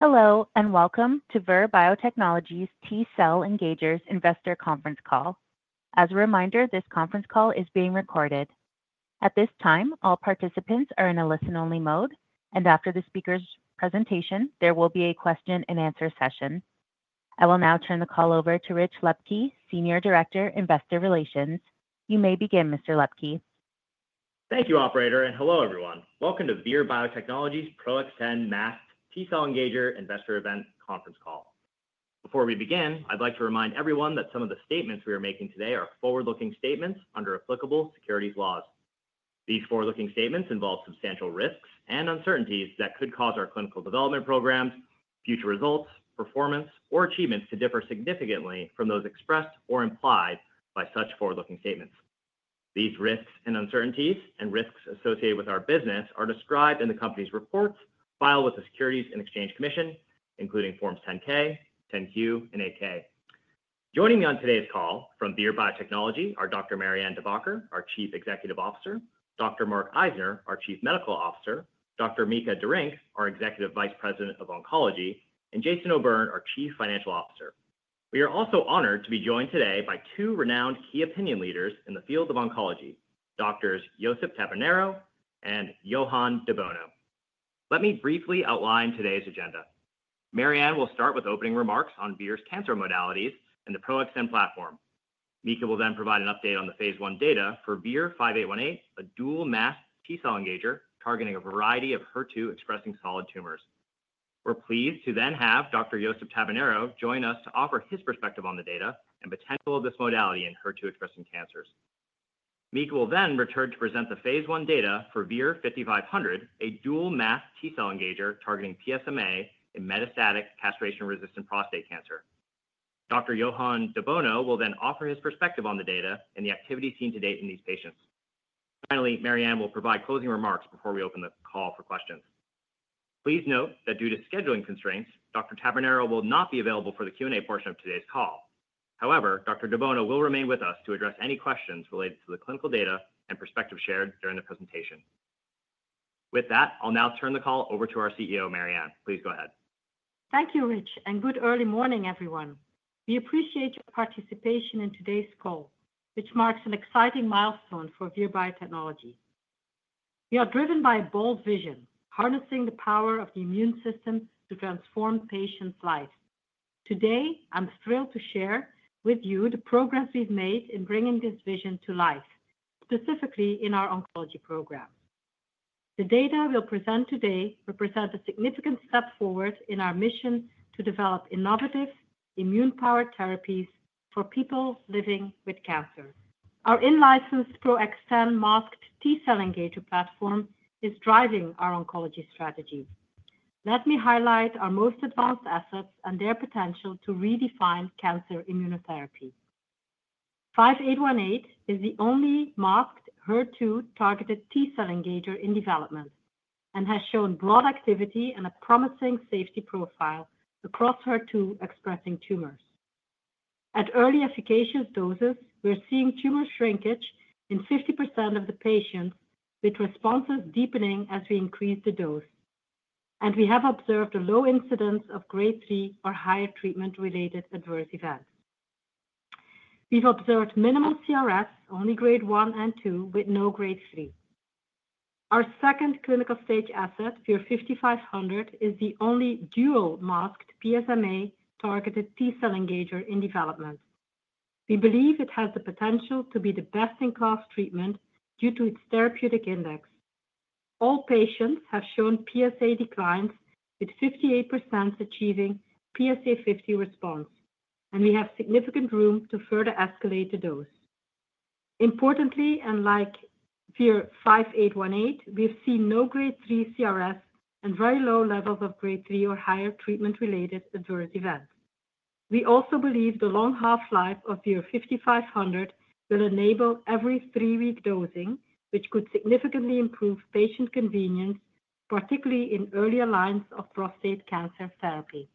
Hello, and welcome to Vir Biotechnology's T-Cell Engagers Investor Conference Call. As a reminder, this conference call is being recorded. At this time, all participants are in a listen-only mode, and after the speaker's presentation, there will be a question-and-answer session. I will now turn the call over to Rich Lepke, Senior Director, Investor Relations. You may begin, Mr. Lepke. Thank you, Operator, and hello, everyone. Welcome to Vir Biotechnology's PRO-XTEN Masked T-cell Engager Investor Event Conference Call. Before we begin, I'd like to remind everyone that some of the statements we are making today are forward-looking statements under applicable securities laws. These forward-looking statements involve substantial risks and uncertainties that could cause our clinical development programs, future results, performance, or achievements to differ significantly from those expressed or implied by such forward-looking statements. These risks and uncertainties and risks associated with our business are described in the company's reports filed with the Securities and Exchange Commission, including Forms 10-K, 10-Q, and 8-K. Joining me on today's call from Vir Biotechnology are Dr. Marianne De Backer, our Chief Executive Officer, Dr. Mark Eisner, our Chief Medical Officer, Dr. Mika Derynck, our Executive Vice President of Oncology, and Jason O'Byrne, our Chief Financial Officer. We are also honored to be joined today by two renowned key opinion leaders in the field of oncology, Doctors Josep Tabernero and Johann de Bono. Let me briefly outline today's agenda. Marianne will start with opening remarks on Vir's cancer modalities and the PRO-XTEN platform. Mika will then provide an update on the phase I data for VIR-5818, a dual Masked T-cell engager targeting a variety of HER2-expressing solid tumors. We're pleased to then have Dr. Josep Tabernero join us to offer his perspective on the data and potential of this modality in HER2-expressing cancers. Mika will then return to present the phase I data for VIR-5500, a dual Masked T-cell engager targeting PSMA in metastatic castration-resistant prostate cancer. Dr. Johann de Bono will then offer his perspective on the data and the activity seen to date in these patients. Finally, Marianne will provide closing remarks before we open the call for questions. Please note that due to scheduling constraints, Dr. Tabernero will not be available for the Q&A portion of today's call. However, Dr. de Bono will remain with us to address any questions related to the clinical data and perspective shared during the presentation. With that, I'll now turn the call over to our CEO, Marianne. Please go ahead. Thank you, Rich, and good early morning, everyone. We appreciate your participation in today's call, which marks an exciting milestone for Vir Biotechnology. We are driven by a bold vision, harnessing the power of the immune system to transform patients' lives. Today, I'm thrilled to share with you the progress we've made in bringing this vision to life, specifically in our oncology program. The data we'll present today represent a significant step forward in our mission to develop innovative immune-powered therapies for people living with cancer. Our in-licensed PRO-XTEN Masked T-Cell Engager platform is driving our oncology strategy. Let me highlight our most advanced assets and their potential to redefine cancer immunotherapy. VIR-5818 is the only Masked HER2-targeted T-Cell Engager in development and has shown broad activity and a promising safety profile across HER2-expressing tumors. At early efficacious doses, we're seeing tumor shrinkage in 50% of the patients, with responses deepening as we increase the dose, and we have observed a low incidence of grade 3 or higher treatment-related adverse events. We've observed minimal CRS, only grade 1 and 2, with no grade 3. Our second clinical stage asset, VIR-5500, is the only dual Masked PSMA-targeted T-cell engager in development. We believe it has the potential to be the best-in-class treatment due to its therapeutic index. All patients have shown PSA declines, with 58% achieving PSA 50 response, and we have significant room to further escalate the dose. Importantly, unlike VIR-5818, we've seen no grade 3 CRS and very low levels of grade 3 or higher treatment-related adverse events. We also believe the long half-life of VIR-5500 will enable every three-week dosing, which could significantly improve patient convenience, particularly in early lines of prostate cancer therapy.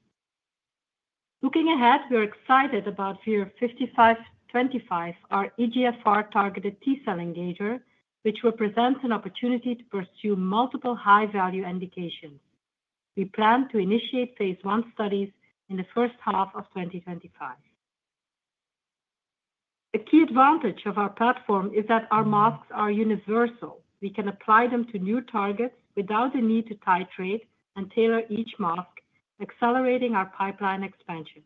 Looking ahead, we're excited about VIR-5525, our EGFR-targeted T-cell engager, which represents an opportunity to pursue multiple high-value indications. We plan to initiate phase I studies in the first half of 2025. A key advantage of our platform is that our Maskeds are universal. We can apply them to new targets without the need to titrate and tailor each Masked, accelerating our pipeline expansion.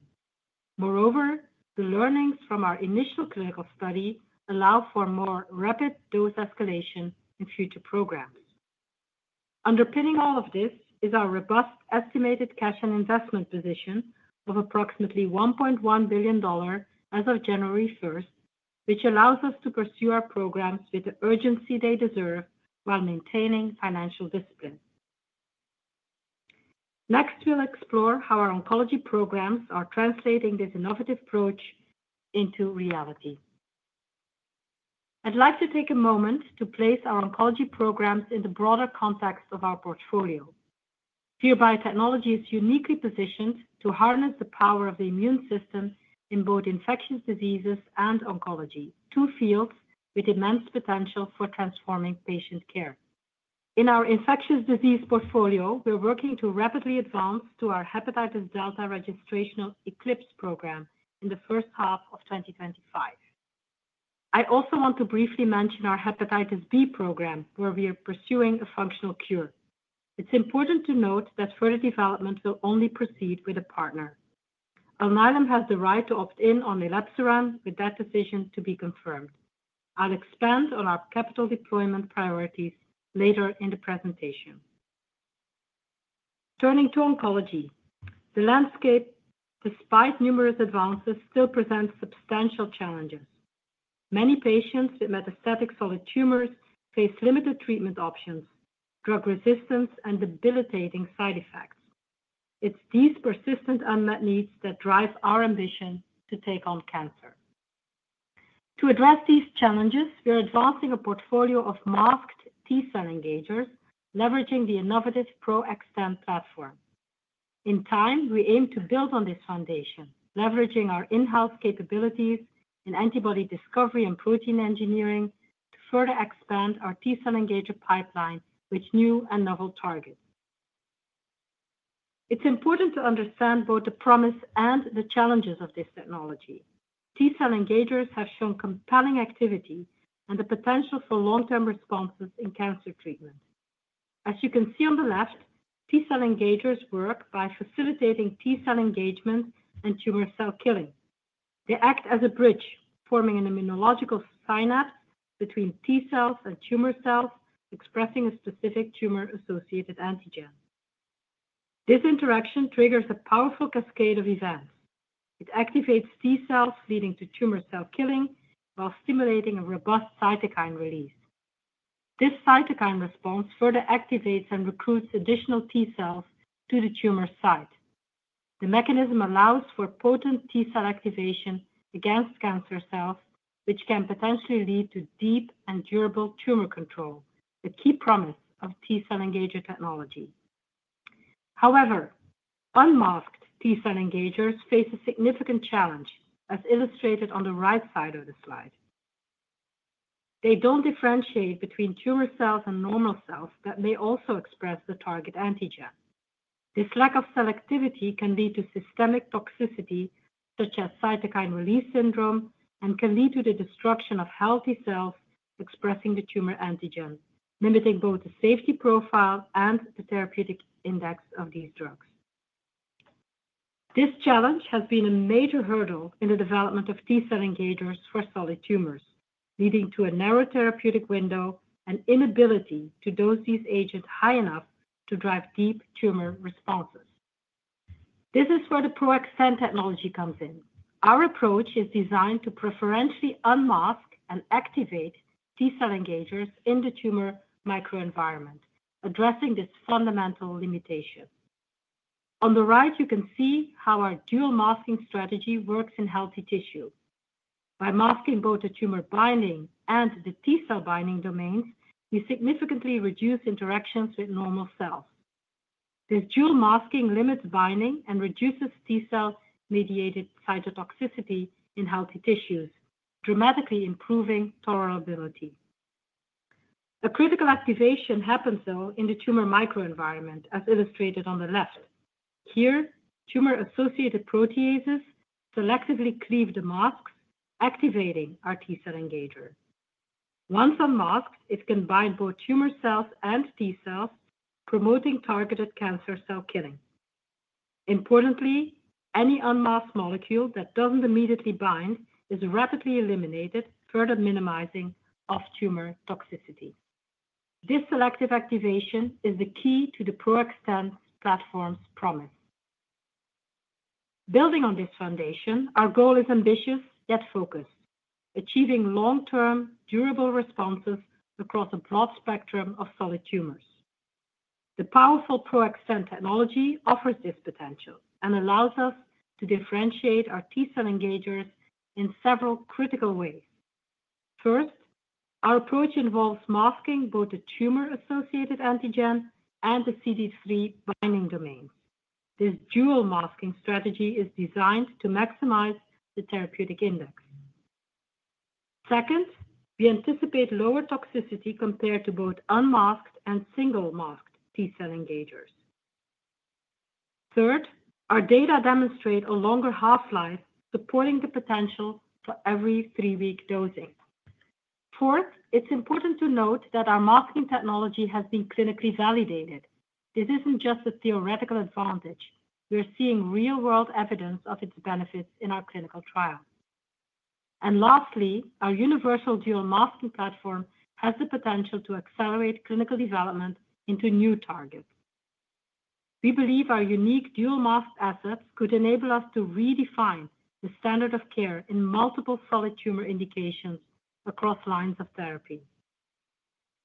Moreover, the learnings from our initial clinical study allow for more rapid dose escalation in future programs. Underpinning all of this is our robust estimated cash and investment position of approximately $1.1 billion as of January 1st, which allows us to pursue our programs with the urgency they deserve while maintaining financial discipline. Next, we'll explore how our oncology programs are translating this innovative approach into reality. I'd like to take a moment to place our oncology programs in the broader context of our portfolio. Vir Biotechnology is uniquely positioned to harness the power of the immune system in both infectious diseases and oncology, two fields with immense potential for transforming patient care. In our infectious disease portfolio, we're working to rapidly advance to our Hepatitis Delta registrational ECLIPSE program in the first half of 2025. I also want to briefly mention our Hepatitis B program, where we are pursuing a functional cure. It's important to note that further development will only proceed with a partner. Alnylam has the right to opt in on Elebsiran, with that decision to be confirmed. I'll expand on our capital deployment priorities later in the presentation. Turning to oncology, the landscape, despite numerous advances, still presents substantial challenges. Many patients with metastatic solid tumors face limited treatment options, drug resistance, and debilitating side effects. It's these persistent unmet needs that drive our ambition to take on cancer. To address these challenges, we're advancing a portfolio of Masked T-Cell Engagers leveraging the innovative PRO-XTEN platform. In time, we aim to build on this foundation, leveraging our in-house capabilities in antibody discovery and protein engineering to further expand our T-Cell Engager pipeline with new and novel targets. It's important to understand both the promise and the challenges of this technology. T-Cell Engagers have shown compelling activity and the potential for long-term responses in cancer treatment. As you can see on the left, T-Cell Engagers work by facilitating T-Cell engagement and tumor cell killing. They act as a bridge, forming an immunological synapse between T cells and tumor cells expressing a specific tumor-associated antigen. This interaction triggers a powerful cascade of events. It activates T cells, leading to tumor cell killing while stimulating a robust cytokine release. This cytokine response further activates and recruits additional T cells to the tumor site. The mechanism allows for potent T cell activation against cancer cells, which can potentially lead to deep and durable tumor control, a key promise of T-Cell Engager technology. However, unmasked T-Cell Engagers face a significant challenge, as illustrated on the right side of the slide. They don't differentiate between tumor cells and normal cells that may also express the target antigen. This lack of selectivity can lead to systemic toxicity, such as cytokine release syndrome, and can lead to the destruction of healthy cells expressing the tumor antigen, limiting both the safety profile and the therapeutic index of these drugs. This challenge has been a major hurdle in the development of T-cell engagers for solid tumors, leading to a narrow therapeutic window and inability to dose these agents high enough to drive deep tumor responses. This is where the PRO-XTEN technology comes in. Our approach is designed to preferentially unmask and activate T-cell engagers in the tumor microenvironment, addressing this fundamental limitation. On the right, you can see how our dual masking strategy works in healthy tissue. By masking both the tumor binding and the T cell binding domains, we significantly reduce interactions with normal cells. This dual masking limits binding and reduces T cell-mediated cytotoxicity in healthy tissues, dramatically improving tolerability. A critical activation happens, though, in the tumor microenvironment, as illustrated on the left. Here, tumor-associated proteases selectively cleave the masks, activating our T cell engager. Once unmasked, it can bind both tumor cells and T cells, promoting targeted cancer cell killing. Importantly, any unmasked molecule that doesn't immediately bind is rapidly eliminated, further minimizing off-tumor toxicity. This selective activation is the key to the PRO-XTEN platform's promise. Building on this foundation, our goal is ambitious yet focused: achieving long-term, durable responses across a broad spectrum of solid tumors. The powerful PRO-XTEN technology offers this potential and allows us to differentiate our T cell engagers in several critical ways. First, our approach involves masking both the tumor-associated antigen and the CD3 binding domains. This dual masking strategy is designed to maximize the therapeutic index. Second, we anticipate lower toxicity compared to both unmasked and single-masked T cell engagers. Third, our data demonstrate a longer half-life, supporting the potential for every three-week dosing. Fourth, it's important to note that our masking technology has been clinically validated. This isn't just a theoretical advantage. We're seeing real-world evidence of its benefits in our clinical trial. And lastly, our universal dual masking platform has the potential to accelerate clinical development into new targets. We believe our unique dual mask assets could enable us to redefine the standard of care in multiple solid tumor indications across lines of therapy.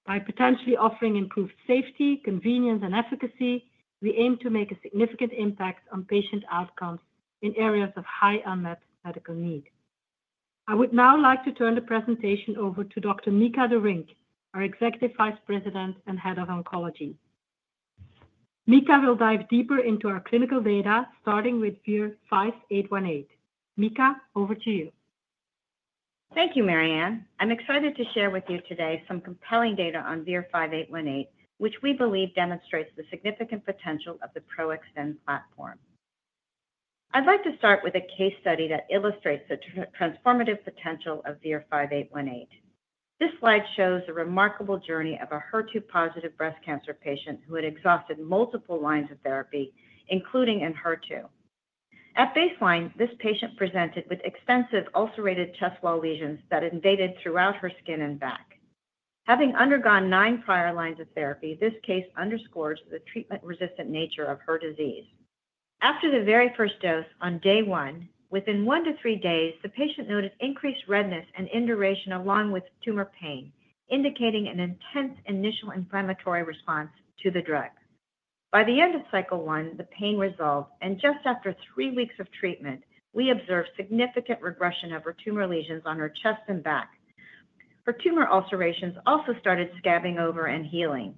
By potentially offering improved safety, convenience, and efficacy, we aim to make a significant impact on patient outcomes in areas of high unmet medical need. I would now like to turn the presentation over to Dr. Mika Derynck, our Executive Vice President and Head of Oncology. Mika will dive deeper into our clinical data, starting with VIR-5818. Mika, over to you. Thank you, Marianne. I'm excited to share with you today some compelling data on VIR-5818, which we believe demonstrates the significant potential of the PRO-XTEN platform. I'd like to start with a case study that illustrates the transformative potential of VIR-5818. This slide shows a remarkable journey of a HER2-positive breast cancer patient who had exhausted multiple lines of therapy, including in HER2. At baseline, this patient presented with extensive ulcerated chest wall lesions that invaded throughout her skin and back. Having undergone nine prior lines of therapy, this case underscores the treatment-resistant nature of her disease. After the very first dose, on day one, within one to three days, the patient noted increased redness and induration along with tumor pain, indicating an intense initial inflammatory response to the drug. By the end of cycle one, the pain resolved, and just after three weeks of treatment, we observed significant regression of her tumor lesions on her chest and back. Her tumor ulcerations also started scabbing over and healing.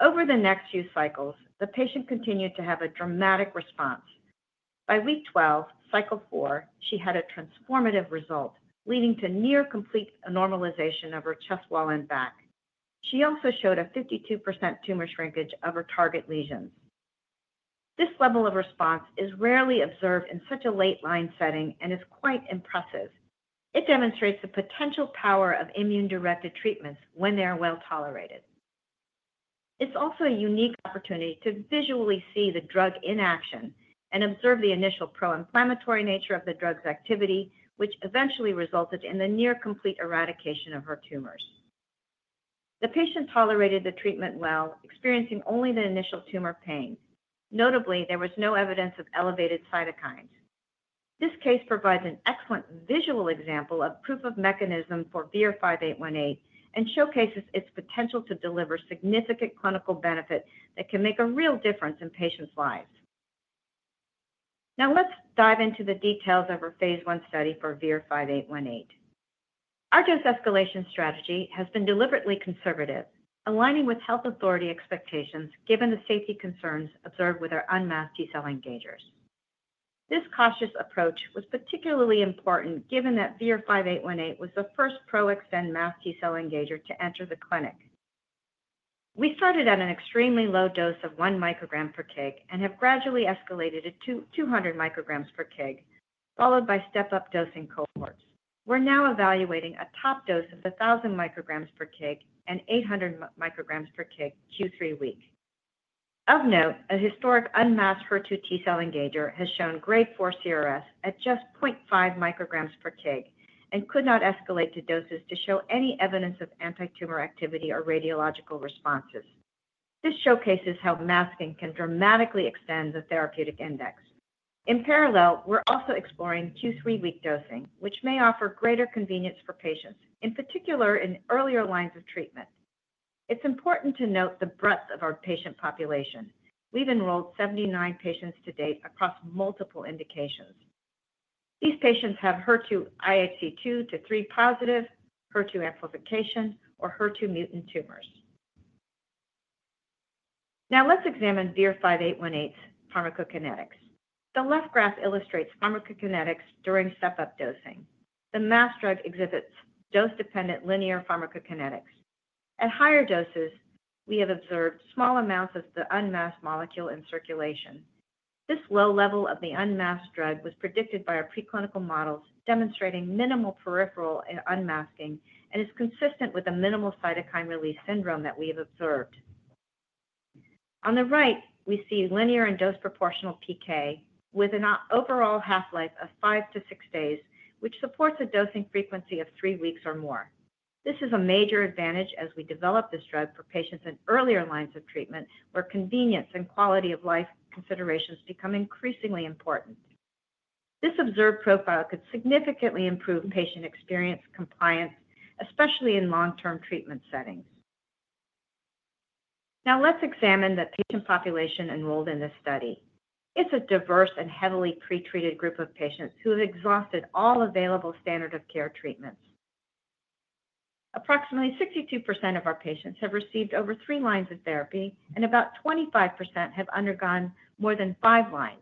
Over the next few cycles, the patient continued to have a dramatic response. By week 12, cycle four, she had a transformative result, leading to near-complete normalization of her chest wall and back. She also showed a 52% tumor shrinkage of her target lesions. This level of response is rarely observed in such a late-line setting and is quite impressive. It demonstrates the potential power of immune-directed treatments when they are well tolerated. It's also a unique opportunity to visually see the drug in action and observe the initial pro-inflammatory nature of the drug's activity, which eventually resulted in the near-complete eradication of her tumors. The patient tolerated the treatment well, experiencing only the initial tumor pain. Notably, there was no evidence of elevated cytokines. This case provides an excellent visual example of proof of mechanism for VIR-5818 and showcases its potential to deliver significant clinical benefit that can make a real difference in patients' lives. Now, let's dive into the details of our phase I study for VIR-5818. Our dose escalation strategy has been deliberately conservative, aligning with health authority expectations given the safety concerns observed with our unmasked T-cell engagers. This cautious approach was particularly important given that VIR-5818 was the first PRO-XTEN masked T-cell engager to enter the clinic. We started at an extremely low dose of one microgram per kg and have gradually escalated to 200 micrograms per kg, followed by step-up dosing cohorts. We're now evaluating a top dose of 1,000 micrograms per kg and 800 micrograms per kg Q3W. Of note, a historic unmasked HER2 T-cell engager has shown grade 4 CRS at just 0.5 micrograms per kg and could not escalate to doses to show any evidence of anti-tumor activity or radiological responses. This showcases how masking can dramatically extend the therapeutic index. In parallel, we're also exploring Q3W dosing, which may offer greater convenience for patients, in particular in earlier lines of treatment. It's important to note the breadth of our patient population. We've enrolled 79 patients to date across multiple indications. These patients have HER2 IHC 2+ to 3+, HER2 amplification, or HER2 mutant tumors. Now, let's examine VIR-5818's pharmacokinetics. The left graph illustrates pharmacokinetics during step-up dosing. The masked drug exhibits dose-dependent linear pharmacokinetics. At higher doses, we have observed small amounts of the unmasked molecule in circulation. This low level of the unmasked drug was predicted by our preclinical models, demonstrating minimal peripheral unmasking and is consistent with a minimal cytokine release syndrome that we have observed. On the right, we see linear and dose-proportional PK with an overall half-life of five to six days, which supports a dosing frequency of three weeks or more. This is a major advantage as we develop this drug for patients in earlier lines of treatment, where convenience and quality of life considerations become increasingly important. This observed profile could significantly improve patient experience compliance, especially in long-term treatment settings. Now, let's examine the patient population enrolled in this study. It's a diverse and heavily pretreated group of patients who have exhausted all available standard of care treatments. Approximately 62% of our patients have received over three lines of therapy, and about 25% have undergone more than five lines.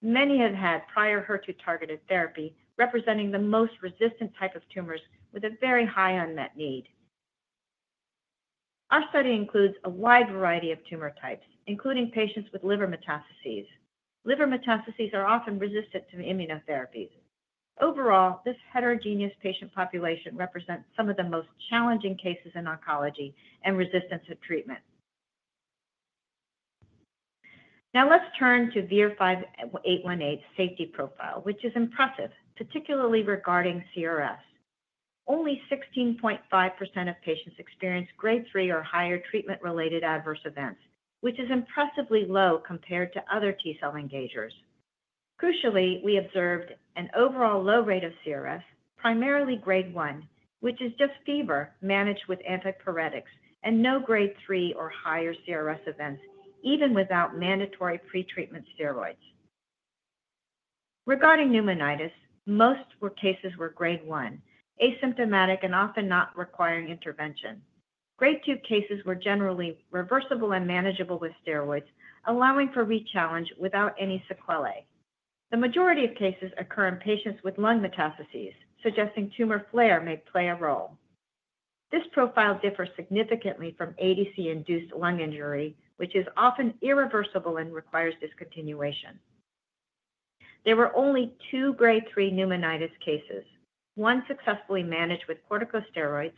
Many have had prior HER2-targeted therapy, representing the most resistant type of tumors with a very high unmet need. Our study includes a wide variety of tumor types, including patients with liver metastases. Liver metastases are often resistant to immunotherapies. Overall, this heterogeneous patient population represents some of the most challenging cases in oncology and resistance to treatment. Now, let's turn to VIR-5818's safety profile, which is impressive, particularly regarding CRS. Only 16.5% of patients experience grade 3 or higher treatment-related adverse events, which is impressively low compared to other T-cell engagers. Crucially, we observed an overall low rate of CRS, primarily grade 1, which is just fever managed with antipyretics, and no grade 3 or higher CRS events, even without mandatory pretreatment steroids. Regarding pneumonitis, most cases were grade 1, asymptomatic and often not requiring intervention. grade 2 cases were generally reversible and manageable with steroids, allowing for re-challenge without any sequelae. The majority of cases occur in patients with lung metastases, suggesting tumor flare may play a role. This profile differs significantly from ADC-induced lung injury, which is often irreversible and requires discontinuation. There were only two grade 3 pneumonitis cases, one successfully managed with corticosteroids,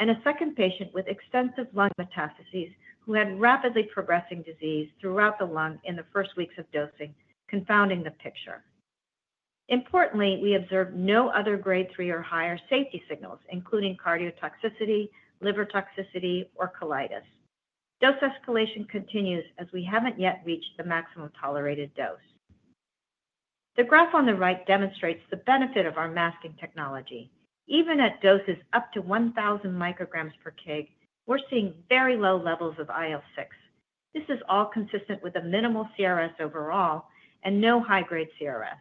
and a second patient with extensive lung metastases who had rapidly progressing disease throughout the lung in the first weeks of dosing, confounding the picture. Importantly, we observed no other grade 3 or higher safety signals, including cardiotoxicity, liver toxicity, or colitis. Dose escalation continues as we haven't yet reached the maximum tolerated dose. The graph on the right demonstrates the benefit of our masking technology. Even at doses up to 1,000 micrograms per kg, we're seeing very low levels of IL-6. This is all consistent with a minimal CRS overall and no high-grade CRS.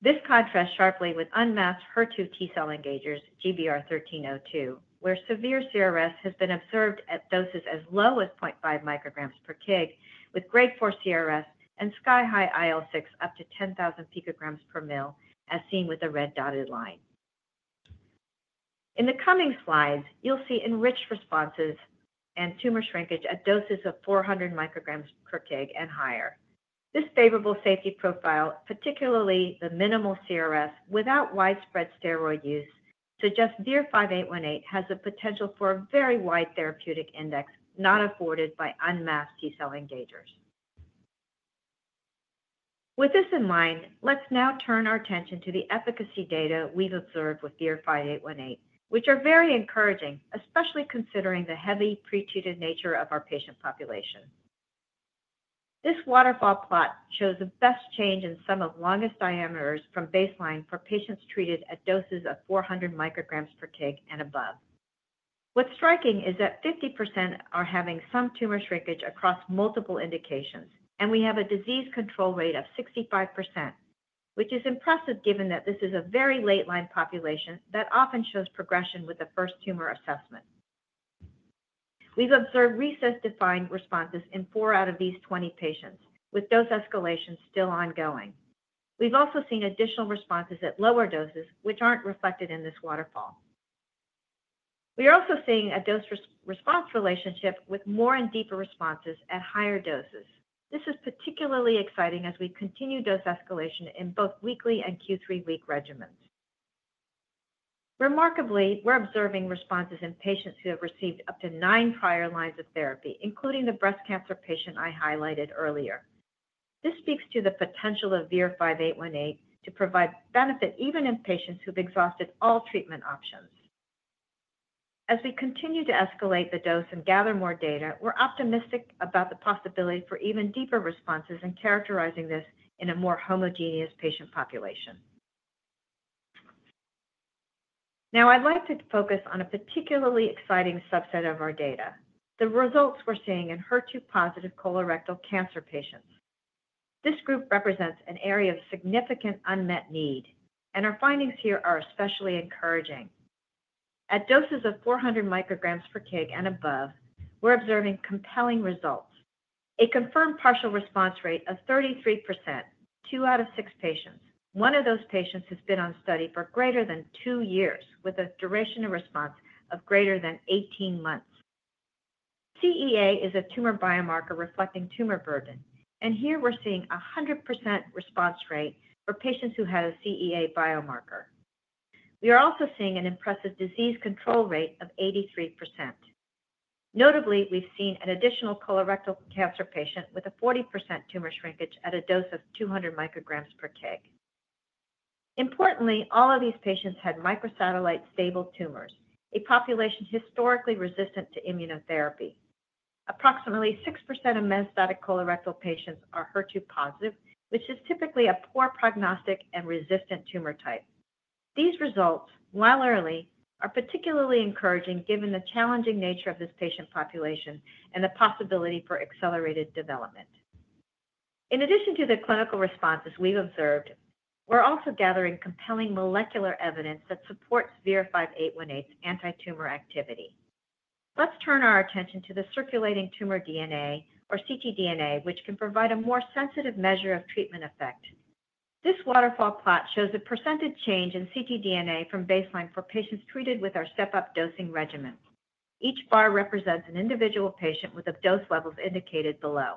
This contrasts sharply with unmasked HER2 T-cell engagers, GBR 1302, where severe CRS has been observed at doses as low as 0.5 micrograms per kg, with grade 4 CRS and sky-high IL-6 up to 10,000 pg/mL, as seen with the red dotted line. In the coming slides, you'll see enriched responses and tumor shrinkage at doses of 400 micrograms per kg and higher. This favorable safety profile, particularly the minimal CRS without widespread steroid use, suggests VIR-5818 has the potential for a very wide therapeutic index not afforded by unmasked T-cell engagers. With this in mind, let's now turn our attention to the efficacy data we've observed with VIR-5818, which are very encouraging, especially considering the heavily pretreated nature of our patient population. This waterfall plot shows the best change in sum of the longest diameters from baseline for patients treated at doses of 400 micrograms per kg and above. What's striking is that 50% are having some tumor shrinkage across multiple indications, and we have a disease control rate of 65%, which is impressive given that this is a very late-line population that often shows progression with the first tumor assessment. We've observed RECIST-defined responses in four out of these 20 patients, with dose escalation still ongoing. We've also seen additional responses at lower doses, which aren't reflected in this waterfall. We are also seeing a dose-response relationship with more and deeper responses at higher doses. This is particularly exciting as we continue dose escalation in both weekly and Q3W regimens. Remarkably, we're observing responses in patients who have received up to nine prior lines of therapy, including the breast cancer patient I highlighted earlier. This speaks to the potential of VIR-5818 to provide benefit even in patients who've exhausted all treatment options. As we continue to escalate the dose and gather more data, we're optimistic about the possibility for even deeper responses and characterizing this in a more homogeneous patient population. Now, I'd like to focus on a particularly exciting subset of our data, the results we're seeing in HER2-positive colorectal cancer patients. This group represents an area of significant unmet need, and our findings here are especially encouraging. At doses of 400 micrograms per kg and above, we're observing compelling results. A confirmed partial response rate of 33%, two out of six patients. One of those patients has been on study for greater than two years, with a duration of response of greater than 18 months. CEA is a tumor biomarker reflecting tumor burden, and here we're seeing a 100% response rate for patients who had a CEA biomarker. We are also seeing an impressive disease control rate of 83%. Notably, we've seen an additional colorectal cancer patient with a 40% tumor shrinkage at a dose of 200 micrograms per kg. Importantly, all of these patients had microsatellite stable tumors, a population historically resistant to immunotherapy. Approximately 6% of metastatic colorectal patients are HER2-positive, which is typically a poor prognostic and resistant tumor type. These results, while early, are particularly encouraging given the challenging nature of this patient population and the possibility for accelerated development. In addition to the clinical responses we've observed, we're also gathering compelling molecular evidence that supports VIR-5818's anti-tumor activity. Let's turn our attention to the circulating tumor DNA, or ctDNA, which can provide a more sensitive measure of treatment effect. This waterfall plot shows a percentage change in ctDNA from baseline for patients treated with our step-up dosing regimen. Each bar represents an individual patient with the dose levels indicated below.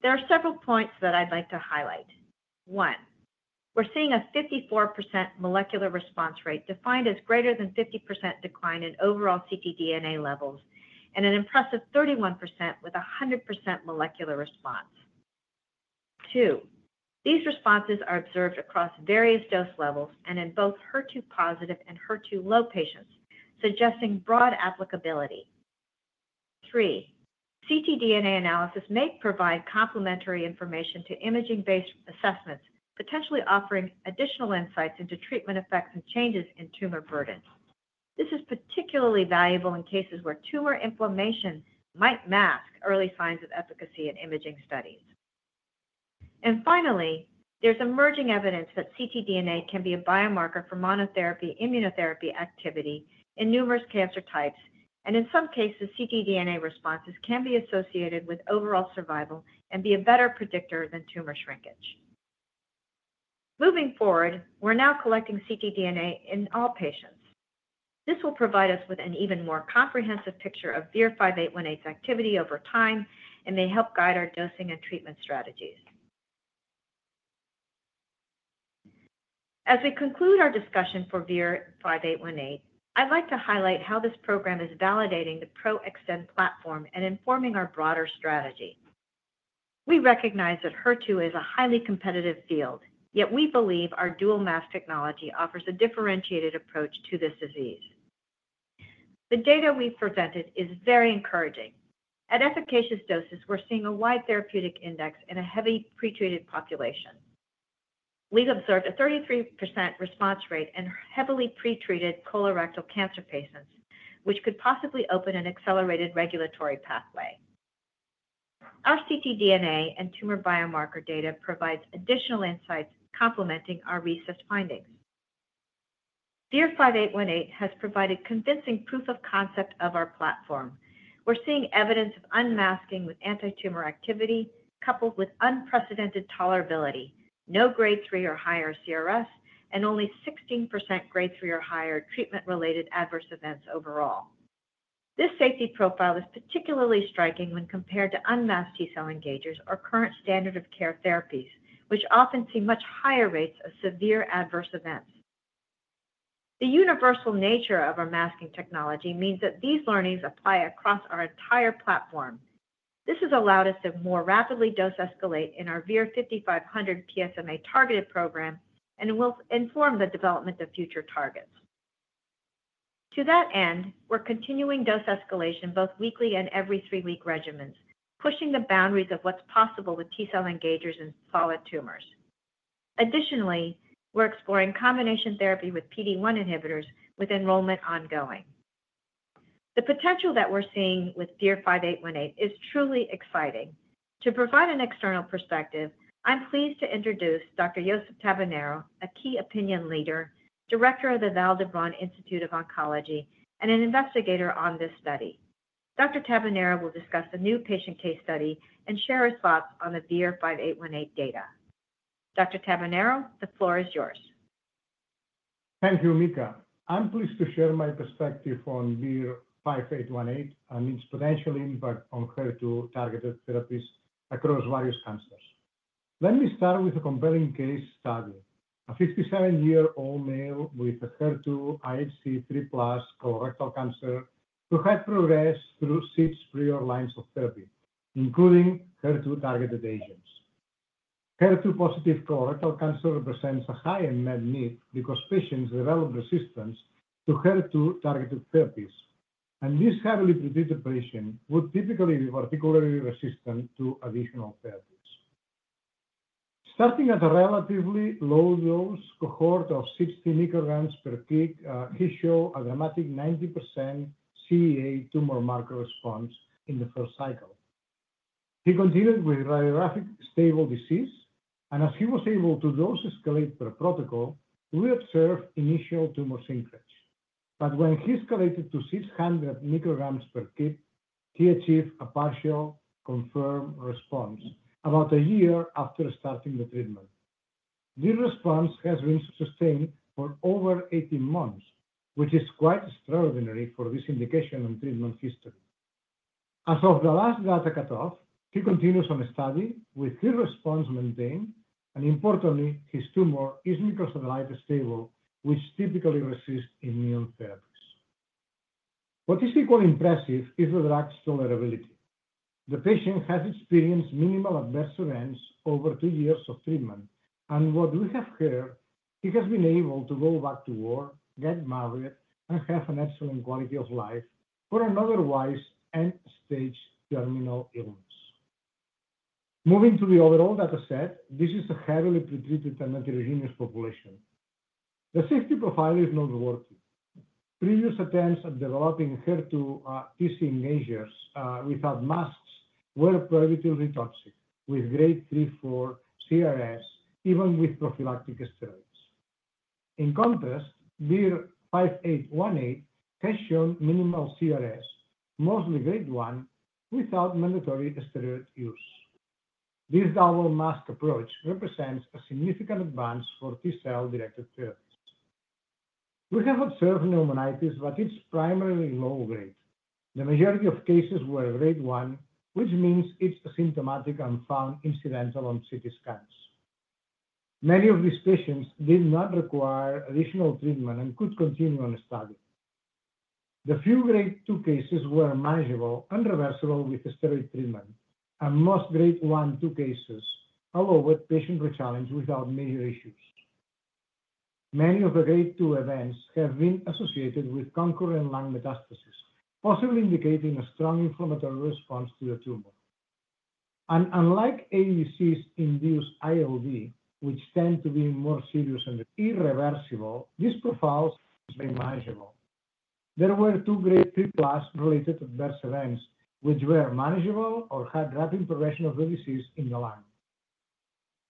There are several points that I'd like to highlight. One, we're seeing a 54% molecular response rate defined as greater than 50% decline in overall ctDNA levels and an impressive 31% with 100% molecular response. Two, these responses are observed across various dose levels and in both HER2-positive and HER2-low patients, suggesting broad applicability. Three, ctDNA analysis may provide complementary information to imaging-based assessments, potentially offering additional insights into treatment effects and changes in tumor burden. This is particularly valuable in cases where tumor inflammation might mask early signs of efficacy in imaging studies. Finally, there's emerging evidence that ctDNA can be a biomarker for monotherapy immunotherapy activity in numerous cancer types, and in some cases, ctDNA responses can be associated with overall survival and be a better predictor than tumor shrinkage. Moving forward, we're now collecting ctDNA in all patients. This will provide us with an even more comprehensive picture of VIR-5818's activity over time and may help guide our dosing and treatment strategies. As we conclude our discussion for VIR-5818, I'd like to highlight how this program is validating the PRO-XTEN platform and informing our broader strategy. We recognize that HER2 is a highly competitive field, yet we believe our dual mask technology offers a differentiated approach to this disease. The data we've presented is very encouraging. At efficacious doses, we're seeing a wide therapeutic index in a heavily pretreated population. We've observed a 33% response rate in heavily pretreated colorectal cancer patients, which could possibly open an accelerated regulatory pathway. Our ctDNA and tumor biomarker data provides additional insights complementing our RECIST findings. VIR-5818 has provided convincing proof of concept of our platform. We're seeing evidence of unmasking with anti-tumor activity coupled with unprecedented tolerability, no grade 3 or higher CRS, and only 16% grade 3 or higher treatment-related adverse events overall. This safety profile is particularly striking when compared to unmasked T-cell engagers or current standard of care therapies, which often see much higher rates of severe adverse events. The universal nature of our masking technology means that these learnings apply across our entire platform. This has allowed us to more rapidly dose escalate in our VIR-5500 PSMA targeted program and will inform the development of future targets. To that end, we're continuing dose escalation both weekly and every three-week regimens, pushing the boundaries of what's possible with T-cell engagers in solid tumors. Additionally, we're exploring combination therapy with PD-1 inhibitors with enrollment ongoing. The potential that we're seeing with VIR-5818 is truly exciting. To provide an external perspective, I'm pleased to introduce Dr. Josep Tabernero, a key opinion leader, director of the Vall d'Hebron Institute of Oncology, and an investigator on this study. Dr. Tabernero, the floor is yours. Thank you, Mika. I'm pleased to share my perspective on VIR-5818 and its potential impact on HER2-targeted therapies across various cancers. Let me start with a compelling case study, a 57-year-old male with HER2 IHC3+ colorectal cancer who had progressed through six prior lines of therapy, including HER2-targeted agents. HER2-positive colorectal cancer represents a high unmet need because patients develop resistance to HER2-targeted therapies, and this heavily pretreated patient would typically be particularly resistant to additional therapies. Starting at a relatively low dose cohort of 60 micrograms per kg, he showed a dramatic 90% CEA tumor marker response in the first cycle. He continued with radiographic stable disease, and as he was able to dose escalate per protocol, we observed initial tumor shrinkage. But when he escalated to 600 micrograms per kg, he achieved a partial confirmed response about a year after starting the treatment. This response has been sustained for over 18 months, which is quite extraordinary for this indication and treatment history. As of the last data cutoff, he continues on study with his response maintained, and importantly, his tumor is microsatellite stable, which typically resists immune therapies. What is equally impressive is the drug's tolerability. The patient has experienced minimal adverse events over two years of treatment, and what we have heard, he has been able to go back to work, get married, and have an excellent quality of life for an otherwise end-stage terminal illness. Moving to the overall data set, this is a heavily pretreated and heterogeneous population. The safety profile is noteworthy. Previous attempts at developing HER2 T-cell engagers without masks were probably toxic with grade 3, 4 CRS, even with prophylactic steroids. In contrast, VIR-5818 has shown minimal CRS, mostly grade 1, without mandatory steroid use. This double mask approach represents a significant advance for T-cell directed therapies. We have observed pneumonitis, but it's primarily low-grade. The majority of cases were grade 1, which means it's asymptomatic and found incidental on CT scans. Many of these patients did not require additional treatment and could continue on study. The few grade 2 cases were manageable and reversible with steroid treatment, and most grade 1, 2 cases followed with patient returning without major issues. Many of the grade 2 events have been associated with concurrent lung metastasis, possibly indicating a strong inflammatory response to the tumor. And unlike ADCs induced ILD, which tend to be more serious and irreversible, this profile has been manageable. There were two grade 3 plus related adverse events, which were manageable or had rapid progression of the disease in the lung.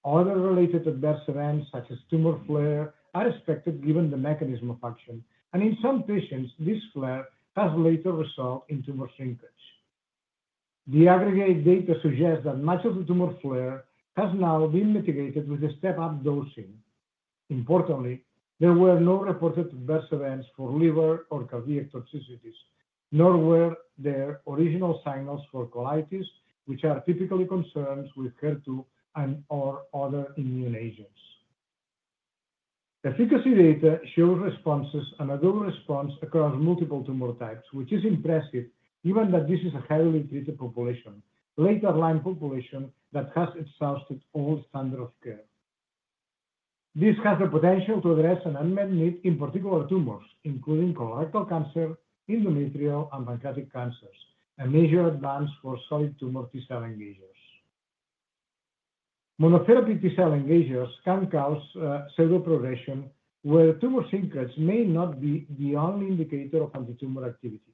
Other related adverse events, such as tumor flare, are expected given the mechanism of action, and in some patients, this flare has later resolved in tumor shrinkage. The aggregated data suggests that much of the tumor flare has now been mitigated with the step-up dosing. Importantly, there were no reported adverse events for liver or cardiac toxicities, nor were there original signals for colitis, which are typically concerns with HER2 and/or other immune agents. Efficacy data shows responses and a good response across multiple tumor types, which is impressive, given that this is a heavily treated population, later line population that has exhausted all standard of care. This has the potential to address an unmet need in particular tumors, including colorectal cancer, endometrial, and pancreatic cancers, a major advance for solid tumor T-cell engagers. Monotherapy T-cell engagers can cause pseudoprogression, where tumor shrinkage may not be the only indicator of anti-tumor activity.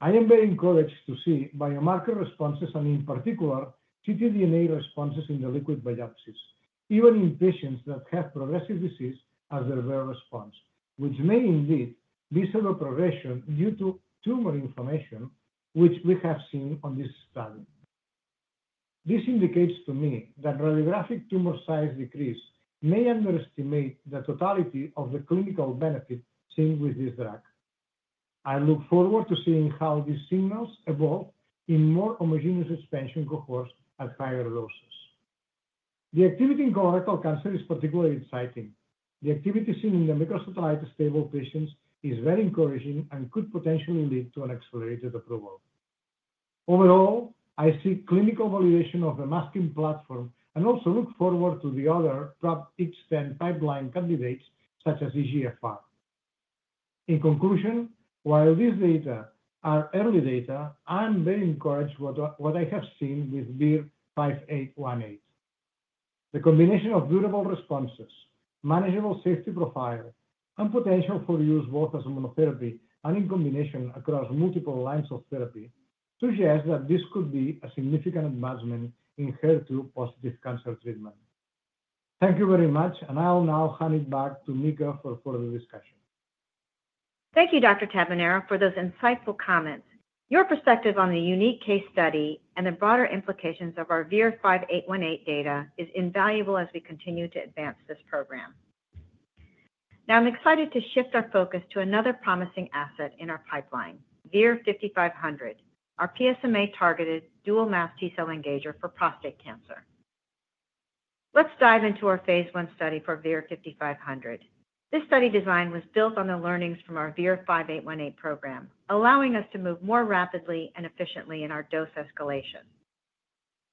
I am very encouraged to see biomarker responses and, in particular, ctDNA responses in the liquid biopsies, even in patients that have progressive disease as their rare response, which may indeed be pseudoprogression due to tumor inflammation, which we have seen on this study. This indicates to me that radiographic tumor size decrease may underestimate the totality of the clinical benefit seen with this drug. I look forward to seeing how these signals evolve in more homogeneous expansion cohorts at higher doses. The activity in colorectal cancer is particularly exciting. The activity seen in the microsatellite stable patients is very encouraging and could potentially lead to an accelerated approval. Overall, I see clinical validation of the masking platform and also look forward to the other PRO-XTEN pipeline candidates, such as EGFR. In conclusion, while these data are early data, I'm very encouraged by what I have seen with VIR-5818. The combination of durable responses, manageable safety profile, and potential for use both as a monotherapy and in combination across multiple lines of therapy suggests that this could be a significant advancement in HER2-positive cancer treatment. Thank you very much, and I'll now hand it back to Mika for further discussion. Thank you, Dr. Tabernero, for those insightful comments. Your perspective on the unique case study and the broader implications of our VIR-5818 data is invaluable as we continue to advance this program. Now, I'm excited to shift our focus to another promising asset in our pipeline, VIR-5500, our PSMA-targeted dual-masked T-cell engager for prostate cancer. Let's dive into our phase I study for VIR-5500. This study design was built on the learnings from our VIR-5818 program, allowing us to move more rapidly and efficiently in our dose escalation.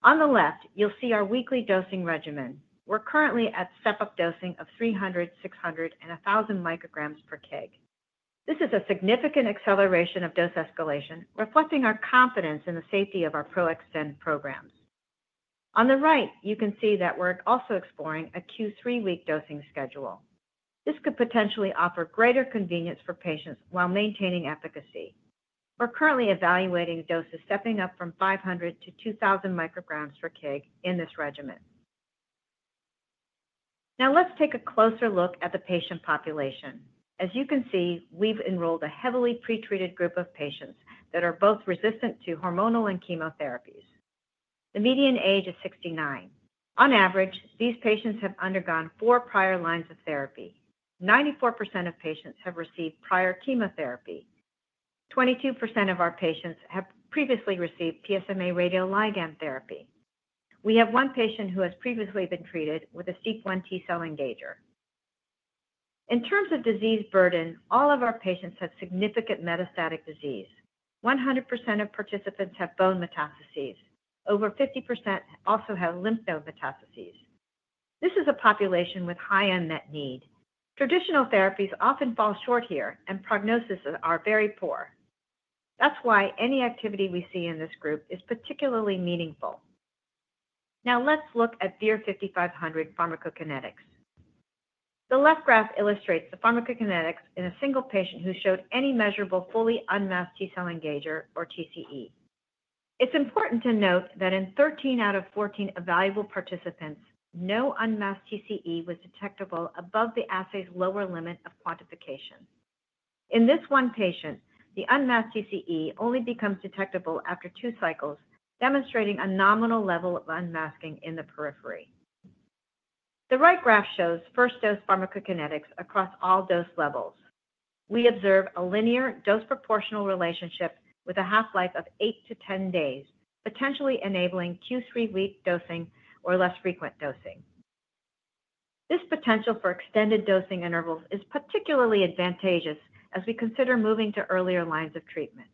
On the left, you'll see our weekly dosing regimen. We're currently at step-up dosing of 300, 600, and 1,000 micrograms per kg. This is a significant acceleration of dose escalation, reflecting our confidence in the safety of our PRO-XTEN programs. On the right, you can see that we're also exploring a Q3 week dosing schedule. This could potentially offer greater convenience for patients while maintaining efficacy. We're currently evaluating doses stepping up from 500 to 2,000 micrograms per kg in this regimen. Now, let's take a closer look at the patient population. As you can see, we've enrolled a heavily pretreated group of patients that are both resistant to hormonal and chemotherapies. The median age is 69. On average, these patients have undergone four prior lines of therapy. 94% of patients have received prior chemotherapy. 22% of our patients have previously received PSMA radioligand therapy. We have one patient who has previously been treated with a CD3 T-cell engager. In terms of disease burden, all of our patients have significant metastatic disease. 100% of participants have bone metastases. Over 50% also have lymph node metastases. This is a population with high unmet need. Traditional therapies often fall short here, and prognoses are very poor. That's why any activity we see in this group is particularly meaningful. Now, let's look at VIR-5500 pharmacokinetics. The left graph illustrates the pharmacokinetics in a single patient who showed any measurable fully unmasked T-cell engager or TCE. It's important to note that in 13 out of 14 evaluable participants, no unmasked TCE was detectable above the assay's lower limit of quantification. In this one patient, the unmasked TCE only becomes detectable after two cycles, demonstrating a nominal level of unmasking in the periphery. The right graph shows first dose pharmacokinetics across all dose levels. We observe a linear dose proportional relationship with a half-life of 8-10 days, potentially enabling Q3 week dosing or less frequent dosing. This potential for extended dosing intervals is particularly advantageous as we consider moving to earlier lines of treatment.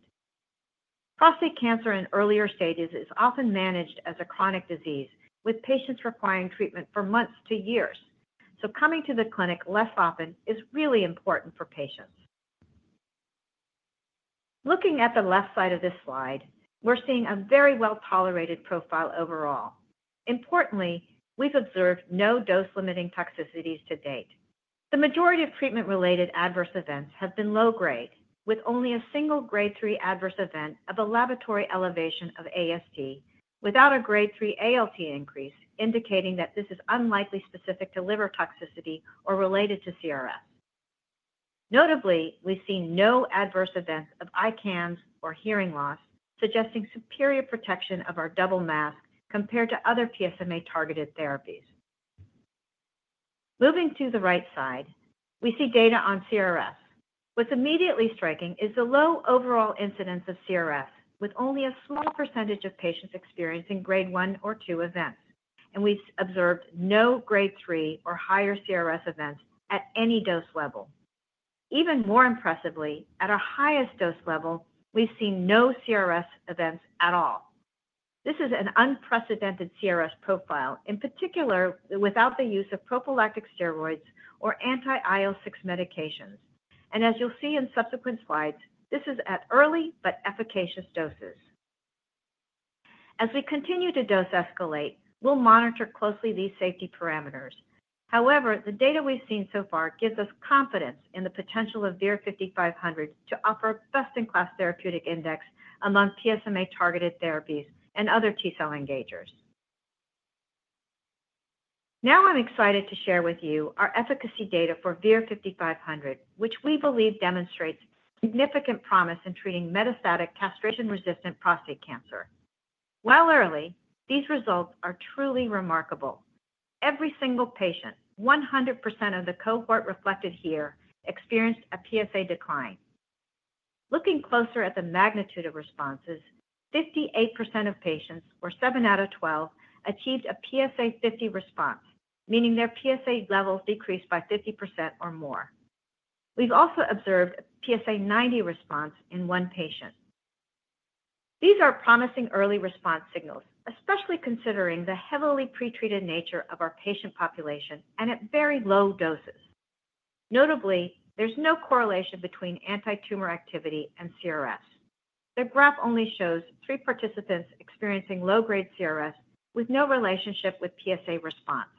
Prostate cancer in earlier stages is often managed as a chronic disease, with patients requiring treatment for months to years. So, coming to the clinic less often is really important for patients. Looking at the left side of this slide, we're seeing a very well-tolerated profile overall. Importantly, we've observed no dose-limiting toxicities to date. The majority of treatment-related adverse events have been low-grade, with only a single grade 1 adverse event of a laboratory elevation of AST without a grade 1 ALT increase, indicating that this is unlikely specific to liver toxicity or related to CRS. Notably, we've seen no adverse events of ICANS or hearing loss, suggesting superior protection of our double mask compared to other PSMA-targeted therapies. Moving to the right side, we see data on CRS. What's immediately striking is the low overall incidence of CRS, with only a small percentage of patients experiencing grade 1 or 2 events, and we've observed no grade 3 or higher CRS events at any dose level. Even more impressively, at our highest dose level, we've seen no CRS events at all. This is an unprecedented CRS profile, in particular without the use of prophylactic steroids or anti-IL-6 medications, and as you'll see in subsequent slides, this is at early but efficacious doses. As we continue to dose escalate, we'll monitor closely these safety parameters. However, the data we've seen so far gives us confidence in the potential of VIR-5500 to offer a best-in-class therapeutic index among PSMA-targeted therapies and other T-cell engagers. Now, I'm excited to share with you our efficacy data for VIR-5500, which we believe demonstrates significant promise in treating metastatic castration-resistant prostate cancer. While early, these results are truly remarkable. Every single patient, 100% of the cohort reflected here, experienced a PSA decline. Looking closer at the magnitude of responses, 58% of patients, or seven out of 12, achieved a PSA 50 response, meaning their PSA levels decreased by 50% or more. We've also observed a PSA 90 response in one patient. These are promising early response signals, especially considering the heavily pretreated nature of our patient population and at very low doses. Notably, there's no correlation between anti-tumor activity and CRS. The graph only shows three participants experiencing low-grade CRS with no relationship with PSA response.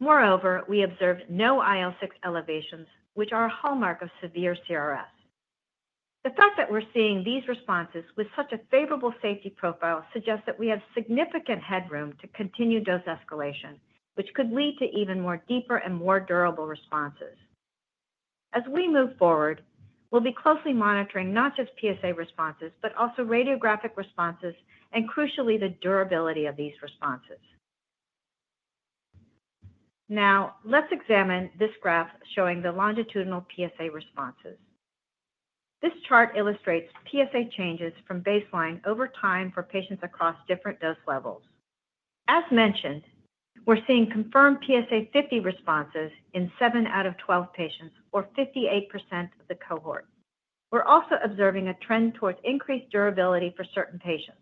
Moreover, we observed no IL-6 elevations, which are a hallmark of severe CRS. The fact that we're seeing these responses with such a favorable safety profile suggests that we have significant headroom to continue dose escalation, which could lead to even more deeper and more durable responses. As we move forward, we'll be closely monitoring not just PSA responses, but also radiographic responses and, crucially, the durability of these responses. Now, let's examine this graph showing the longitudinal PSA responses. This chart illustrates PSA changes from baseline over time for patients across different dose levels. As mentioned, we're seeing confirmed PSA 50 responses in seven out of 12 patients, or 58% of the cohort. We're also observing a trend towards increased durability for certain patients.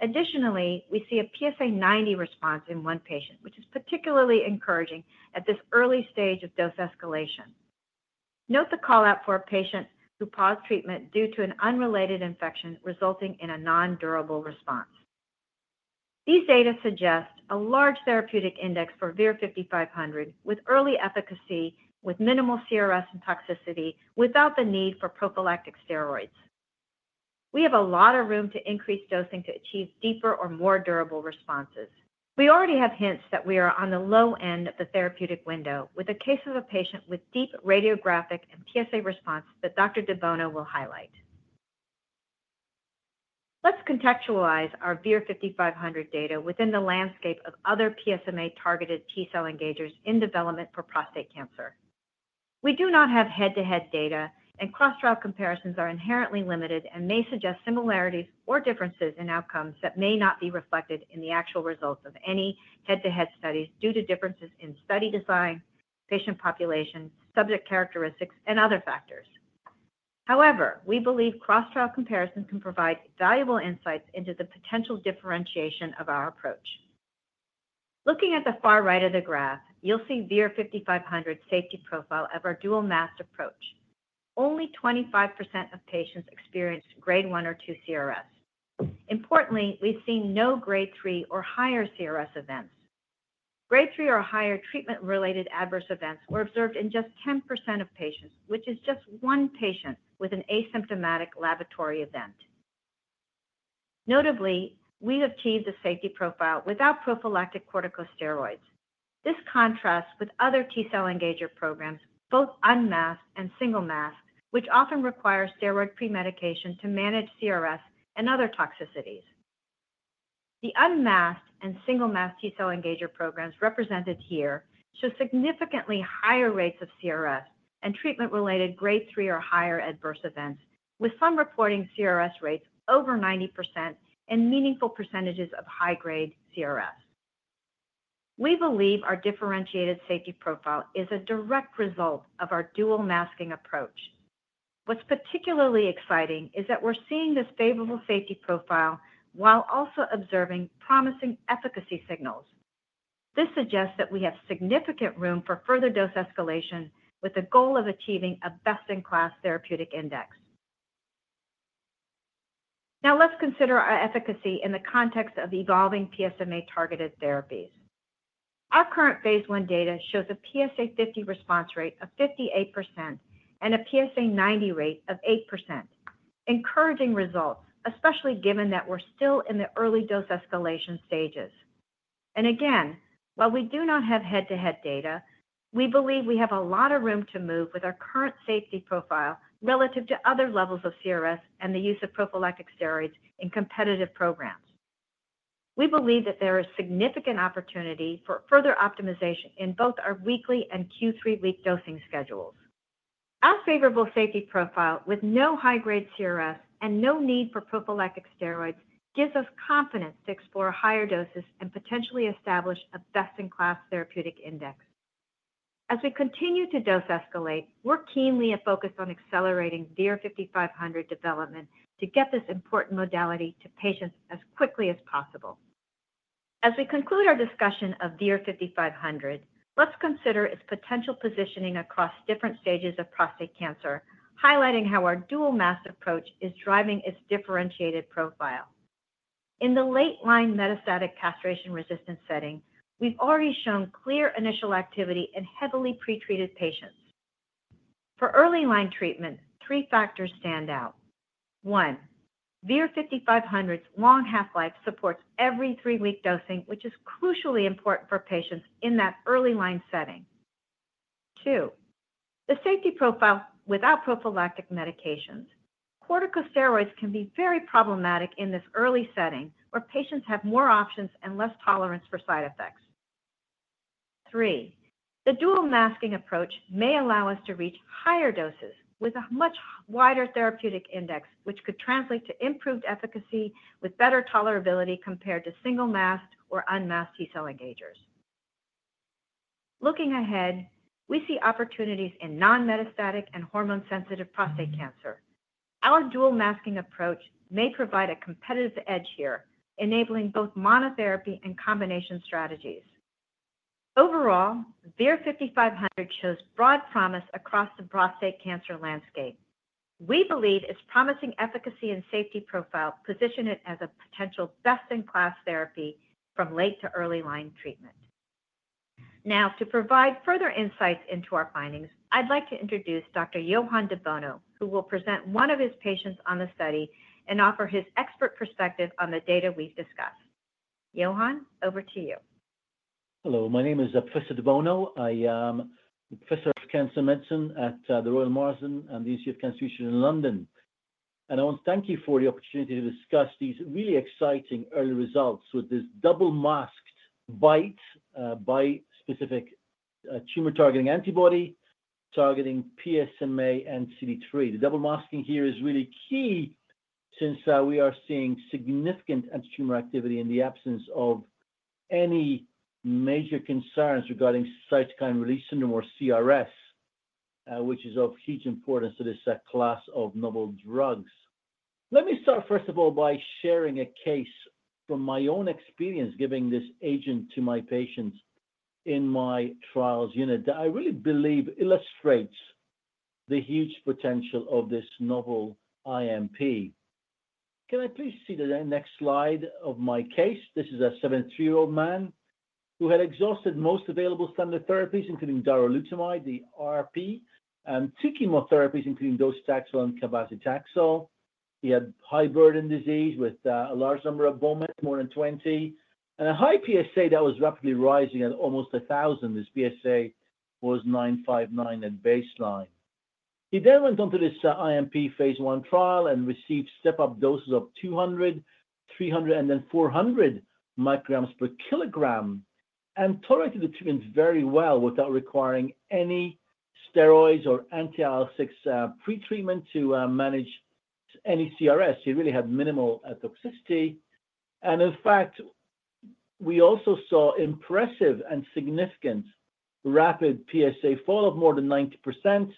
Additionally, we see a PSA 90 response in one patient, which is particularly encouraging at this early stage of dose escalation. Note the call-out for a patient who paused treatment due to an unrelated infection resulting in a non-durable response. These data suggest a large therapeutic index for VIR-5500 with early efficacy, with minimal CRS and toxicity without the need for prophylactic steroids. We have a lot of room to increase dosing to achieve deeper or more durable responses. We already have hints that we are on the low end of the therapeutic window with a case of a patient with deep radiographic and PSA response that Dr. de Bono will highlight. Let's contextualize our VIR-5500 data within the landscape of other PSMA-targeted T-cell engagers in development for prostate cancer. We do not have head-to-head data, and cross-trial comparisons are inherently limited and may suggest similarities or differences in outcomes that may not be reflected in the actual results of any head-to-head studies due to differences in study design, patient populations, subject characteristics, and other factors. However, we believe cross-trial comparisons can provide valuable insights into the potential differentiation of our approach. Looking at the far right of the graph, you'll see VIR-5500 safety profile of our dual-masked approach. Only 25% of patients experienced grade 1 or 2 CRS. Importantly, we've seen no grade 3 or higher CRS events. grade 3 or higher treatment-related adverse events were observed in just 10% of patients, which is just one patient with an asymptomatic laboratory event. Notably, we've achieved the safety profile without prophylactic corticosteroids. This contrasts with other T-cell engager programs, both unmasked and single masked, which often require steroid pre-medication to manage CRS and other toxicities. The unmasked and single masked T-cell engager programs represented here show significantly higher rates of CRS and treatment-related grade 3 or higher adverse events, with some reporting CRS rates over 90% and meaningful percentages of high-grade CRS. We believe our differentiated safety profile is a direct result of our dual masking approach. What's particularly exciting is that we're seeing this favorable safety profile while also observing promising efficacy signals. This suggests that we have significant room for further dose escalation with the goal of achieving a best-in-class therapeutic index. Now, let's consider our efficacy in the context of evolving PSMA-targeted therapies. Our current phase I data shows a PSA 50 response rate of 58% and a PSA 90 rate of 8%, encouraging results, especially given that we're still in the early dose escalation stages. Again, while we do not have head-to-head data, we believe we have a lot of room to move with our current safety profile relative to other levels of CRS and the use of prophylactic steroids in competitive programs. We believe that there is significant opportunity for further optimization in both our weekly and Q3 week dosing schedules. Our favorable safety profile with no high-grade CRS and no need for prophylactic steroids gives us confidence to explore higher doses and potentially establish a best-in-class therapeutic index. As we continue to dose escalate, we're keenly focused on accelerating VIR-5500 development to get this important modality to patients as quickly as possible. As we conclude our discussion of VIR-5500, let's consider its potential positioning across different stages of prostate cancer, highlighting how our dual masked approach is driving its differentiated profile. In the late line metastatic castration-resistant setting, we've already shown clear initial activity in heavily pretreated patients. For early line treatment, three factors stand out. One, VIR-5500's long half-life supports every three-week dosing, which is crucially important for patients in that early line setting. Two, the safety profile without prophylactic medications. Corticosteroids can be very problematic in this early setting where patients have more options and less tolerance for side effects. Three, the dual masking approach may allow us to reach higher doses with a much wider therapeutic index, which could translate to improved efficacy with better tolerability compared to single masked or unmasked T-cell engagers. Looking ahead, we see opportunities in non-metastatic and hormone-sensitive prostate cancer. Our dual masking approach may provide a competitive edge here, enabling both monotherapy and combination strategies. Overall, VIR-5500 shows broad promise across the prostate cancer landscape. We believe its promising efficacy and safety profile position it as a potential best-in-class therapy from late to early line treatment. Now, to provide further insights into our findings, I'd like to introduce Dr. Johann de Bono, who will present one of his patients on the study and offer his expert perspective on the data we've discussed. Johann, over to you. Hello, my name is Professor de Bono. I am Professor of Cancer Medicine at the Royal Marsden and the Institute of Cancer Research in London. And I want to thank you for the opportunity to discuss these really exciting early results with this dual-masked bispecific tumor-targeting antibody targeting PSMA and CD3. The double masking here is really key since we are seeing significant anti-tumor activity in the absence of any major concerns regarding cytokine release syndrome or CRS, which is of huge importance to this class of novel drugs. Let me start, first of all, by sharing a case from my own experience giving this agent to my patients in my trials unit that I really believe illustrates the huge potential of this novel IMP. Can I please see the next slide of my case? This is a 73-year-old man who had exhausted most available standard therapies, including darolutamide, the RRP, and two chemotherapies, including docetaxel and cabazitaxel. He had high burden disease with a large number of bone mets, more than 20, and a high PSA that was rapidly rising at almost 1,000. His PSA was 959 at baseline. He then went on to this IMP phase I trial and received step-up doses of 200, 300, and then 400 micrograms per kilogram and tolerated the treatments very well without requiring any steroids or anti-IL-6 pretreatment to manage any CRS. He really had minimal toxicity. In fact, we also saw impressive and significant rapid PSA fall of more than 90%,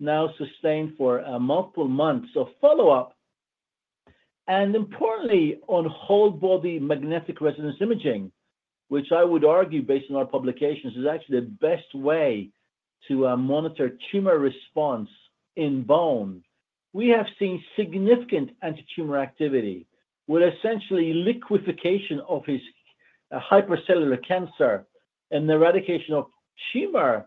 now sustained for multiple months of follow-up. Importantly, on whole body magnetic resonance imaging, which I would argue based on our publications is actually the best way to monitor tumor response in bone, we have seen significant anti-tumor activity with essentially liquefaction of his hypercellular cancer and the eradication of tumor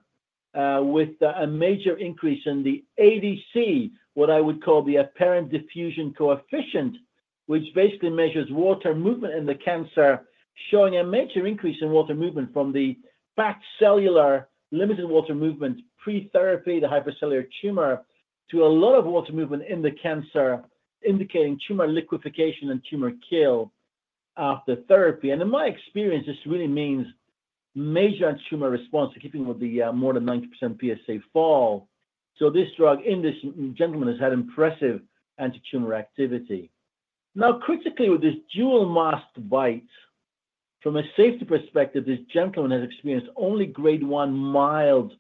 with a major increase in the ADC, what I would call the apparent diffusion coefficient, which basically measures water movement in the cancer, showing a major increase in water movement from the back cellular limited water movement pre-therapy, the hypercellular tumor, to a lot of water movement in the cancer, indicating tumor liquefaction and tumor kill after therapy. In my experience, this really means major anti-tumor response in keeping with the more than 90% PSA fall. This drug in this gentleman has had impressive anti-tumor activity. Now, critically, with this dual-masked BiTE, from a safety perspective, this gentleman has experienced only grade 1 mild,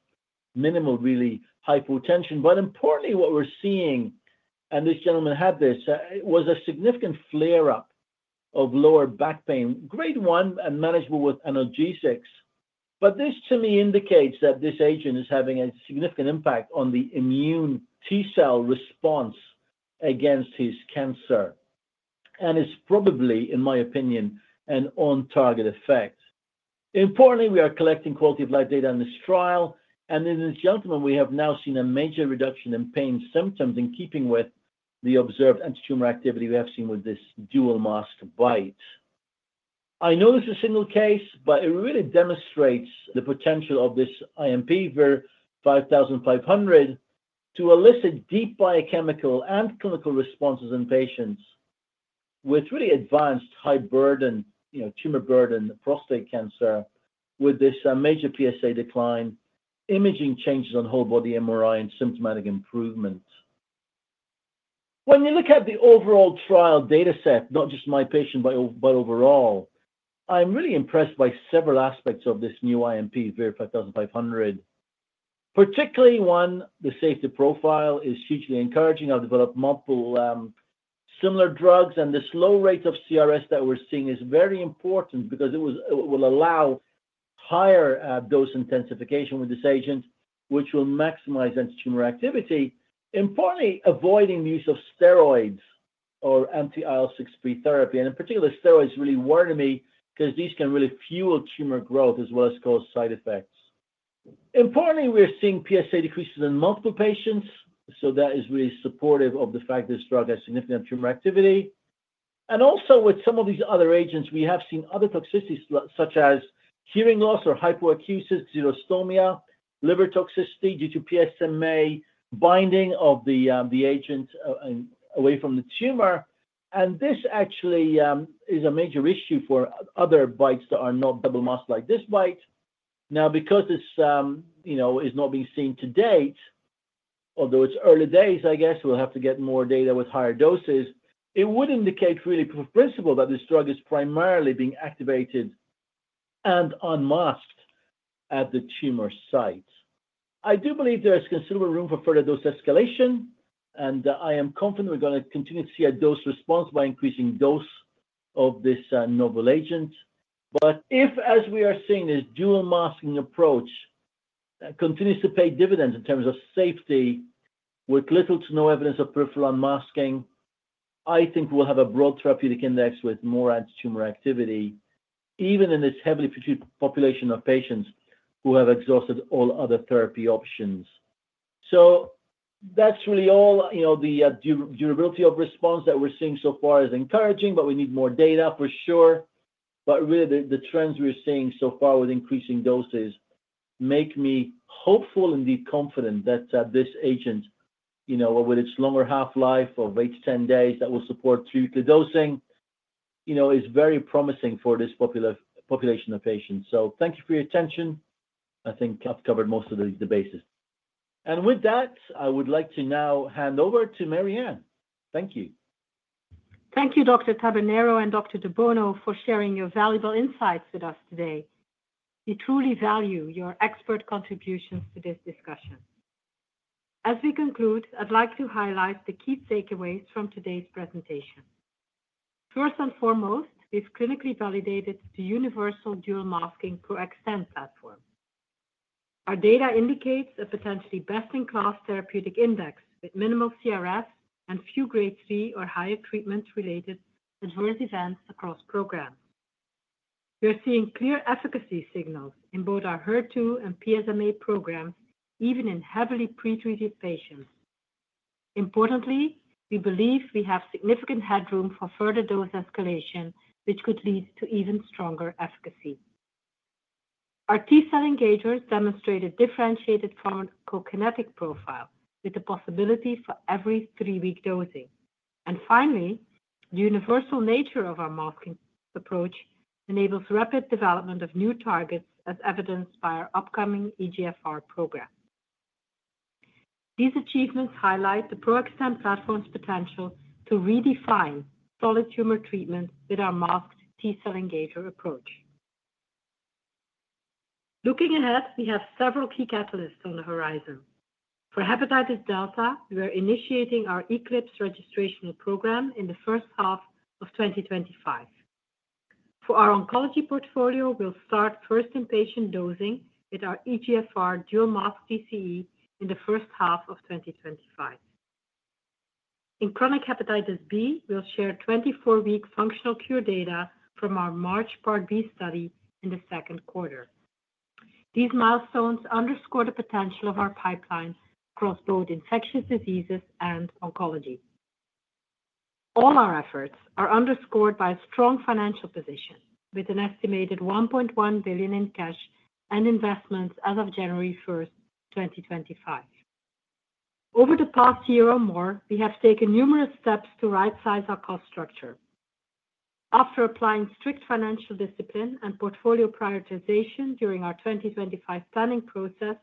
minimal really, hypotension. Importantly, what we're seeing, and this gentleman had this, was a significant flare-up of lower back pain, grade 1 and manageable with analgesics. This to me indicates that this agent is having a significant impact on the immune T-cell response against his cancer and is probably, in my opinion, an on-target effect. Importantly, we are collecting quality of life data in this trial. In this gentleman, we have now seen a major reduction in pain symptoms in keeping with the observed anti-tumor activity we have seen with this dual-masked BiTE. I know this is a single case, but it really demonstrates the potential of this IMP VIR-5500 to elicit deep biochemical and clinical responses in patients with really advanced high burden, you know, tumor burden, prostate cancer, with this major PSA decline, imaging changes on whole body MRI, and symptomatic improvement. When you look at the overall trial data set, not just my patient, but overall, I'm really impressed by several aspects of this new IMP VIR-5500, particularly, one, the safety profile is hugely encouraging. I've developed multiple similar drugs, and the slow rate of CRS that we're seeing is very important because it will allow higher dose intensification with this agent, which will maximize anti-tumor activity, importantly avoiding the use of steroids or anti-IL-6 pre-therapy, and in particular, steroids really worry me because these can really fuel tumor growth as well as cause side effects. Importantly, we're seeing PSA decreases in multiple patients, so that is really supportive of the fact this drug has significant tumor activity, and also with some of these other agents, we have seen other toxicities such as hearing loss or hypoacusis, xerostomia, liver toxicity due to PSMA binding of the agent away from the tumor, and this actually is a major issue for other BiTEs that are not double masked like this BiTE. Now, because this, you know, is not being seen to date, although it's early days, I guess we'll have to get more data with higher doses, it would indicate really in principle that this drug is primarily being activated and unmasked at the tumor site. I do believe there is considerable room for further dose escalation, and I am confident we're going to continue to see a dose response by increasing dose of this novel agent. But if, as we are seeing, this dual masking approach continues to pay dividends in terms of safety with little to no evidence of peripheral unmasking, I think we'll have a broad therapeutic index with more anti-tumor activity, even in this heavily pretreated population of patients who have exhausted all other therapy options. So that's really all, you know, the durability of response that we're seeing so far is encouraging, but we need more data for sure. But really, the trends we're seeing so far with increasing doses make me hopeful and be confident that this agent, you know, with its longer half-life of eight to 10 days that will support three-weekly dosing, you know, is very promising for this population of patients. So thank you for your attention. I think I've covered most of the bases. And with that, I would like to now hand over to Marianne. Thank you. Thank you, Dr. Tabernero and Dr. de Bono for sharing your valuable insights with us today. We truly value your expert contributions to this discussion. As we conclude, I'd like to highlight the key takeaways from today's presentation. First and foremost, we've clinically validated the universal dual masking PRO-XTEN platform. Our data indicates a potentially best-in-class therapeutic index with minimal CRS and few grade 3 or higher treatment-related adverse events across programs. We're seeing clear efficacy signals in both our HER2 and PSMA programs, even in heavily pretreated patients. Importantly, we believe we have significant headroom for further dose escalation, which could lead to even stronger efficacy. Our T-cell engagers demonstrate a differentiated pharmacokinetic profile with the possibility for every three-week dosing. And finally, the universal nature of our masking approach enables rapid development of new targets, as evidenced by our upcoming EGFR program. These achievements highlight the PRO-XTEN platform's potential to redefine solid tumor treatment with our masked T-cell engager approach. Looking ahead, we have several key catalysts on the horizon. For Hepatitis Delta, we are initiating our ECLIPSE registrational program in the first half of 2025. For our oncology portfolio, we'll start first inpatient dosing with our EGFR dual-masked T-cell engager in the first half of 2025. In chronic Hepatitis B, we'll share 24-week functional cure data from our MARCH Part B study in the second quarter. These milestones underscore the potential of our pipeline across both infectious diseases and oncology. All our efforts are underscored by a strong financial position with an estimated $1.1 billion in cash and investments as of January 1st, 2025. Over the past year or more, we have taken numerous steps to right-size our cost structure. After applying strict financial discipline and portfolio prioritization during our 2025 planning process,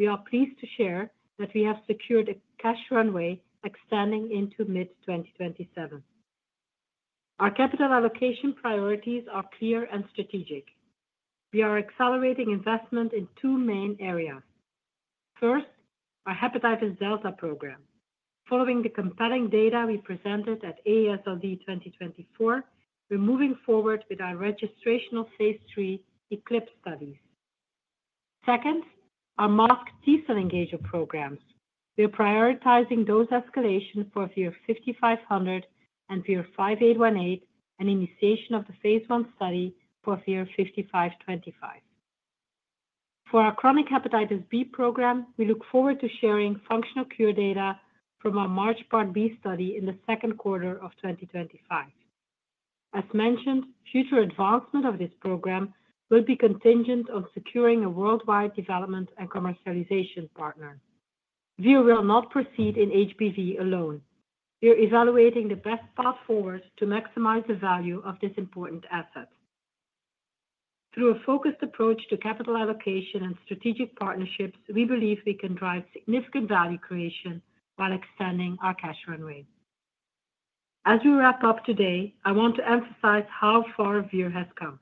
we are pleased to share that we have secured a cash runway extending into mid-2027. Our capital allocation priorities are clear and strategic. We are accelerating investment in two main areas. First, our hepatitis delta program. Following the compelling data we presented at AASLD 2024, we're moving forward with our registrational phase III ECLIPSE studies. Second, our masked T-cell engager programs. We're prioritizing dose escalation for VIR-5500 and VIR-5818 and initiation of the phase I study for VIR-5525. For our chronic hepatitis B program, we look forward to sharing functional cure data from our MARCH Part B study in the second quarter of 2025. As mentioned, future advancement of this program will be contingent on securing a worldwide development and commercialization partner. VIR will not proceed in HBV alone. We're evaluating the best path forward to maximize the value of this important asset. Through a focused approach to capital allocation and strategic partnerships, we believe we can drive significant value creation while extending our cash runway. As we wrap up today, I want to emphasize how far VIR has come.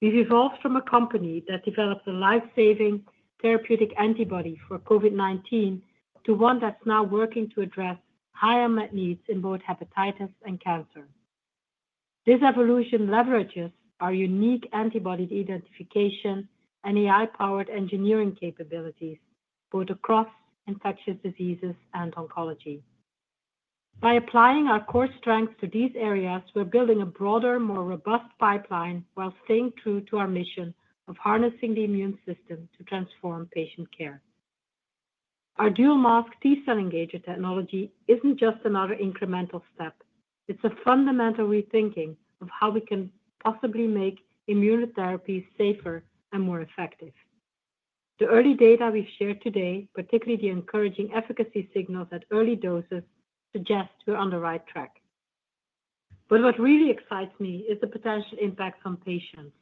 We've evolved from a company that developed a lifesaving therapeutic antibody for COVID-19 to one that's now working to address higher unmet needs in both hepatitis and cancer. This evolution leverages our unique antibody identification and AI-powered engineering capabilities both across infectious diseases and oncology. By applying our core strengths to these areas, we're building a broader, more robust pipeline while staying true to our mission of harnessing the immune system to transform patient care. Our dual-masked T-cell engager technology isn't just another incremental step. It's a fundamental rethinking of how we can possibly make immunotherapy safer and more effective. The early data we've shared today, particularly the encouraging efficacy signals at early doses, suggest we're on the right track. But what really excites me is the potential impacts on patients.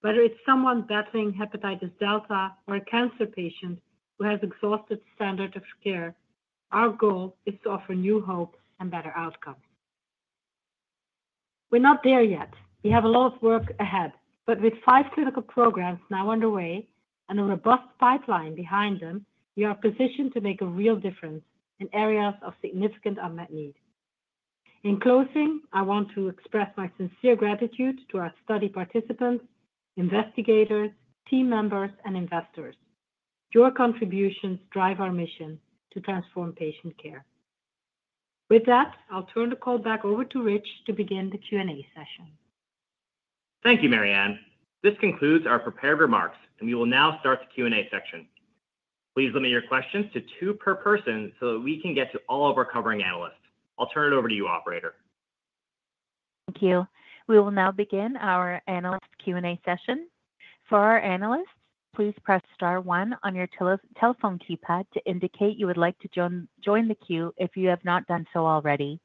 Whether it's someone battling hepatitis delta or a cancer patient who has exhausted standard of care, our goal is to offer new hope and better outcomes. We're not there yet. We have a lot of work ahead. But with five clinical programs now underway and a robust pipeline behind them, we are positioned to make a real difference in areas of significant unmet need. In closing, I want to express my sincere gratitude to our study participants, investigators, team members, and investors. Your contributions drive our mission to transform patient care. With that, I'll turn the call back over to Rich to begin the Q&A session. Thank you, Marianne. This concludes our prepared remarks, and we will now start the Q&A section. Please limit your questions to two per person so that we can get to all of our covering analysts. I'll turn it over to you, operator. Thank you. We will now begin our analyst Q&A session. For our analysts, please press star one on your telephone keypad to indicate you would like to join the queue if you have not done so already.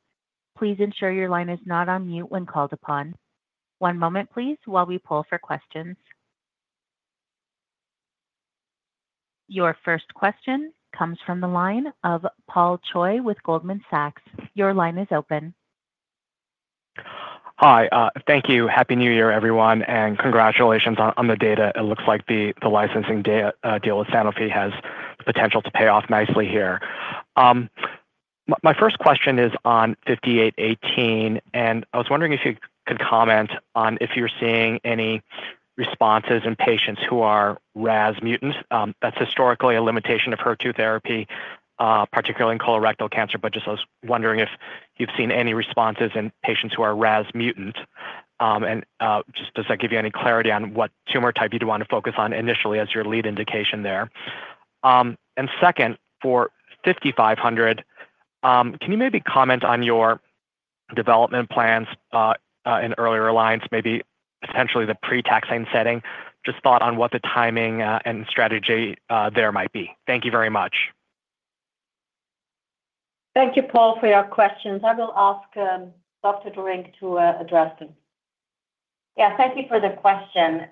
Please ensure your line is not on mute when called upon. One moment, please, while we pull for questions. Your first question comes from the line of Paul Choi with Goldman Sachs. Your line is open. Hi. Thank you. Happy New Year, everyone, and congratulations on the data. It looks like the licensing deal with Sanofi has the potential to pay off nicely here. My first question is on 5818, and I was wondering if you could comment on if you're seeing any responses in patients who are RAS mutant. That's historically a limitation of HER2 therapy, particularly in colorectal cancer, but just I was wondering if you've seen any responses in patients who are RAS mutant. And just does that give you any clarity on what tumor type you'd want to focus on initially as your lead indication there? And second, for 5500, can you maybe comment on your development plans in earlier lines, maybe potentially the pre-taxane setting? Just thoughts on what the timing and strategy there might be. Thank you very much. Thank you, Paul, for your questions. I will ask Dr. Derynck to address them. Yeah, thank you for the question.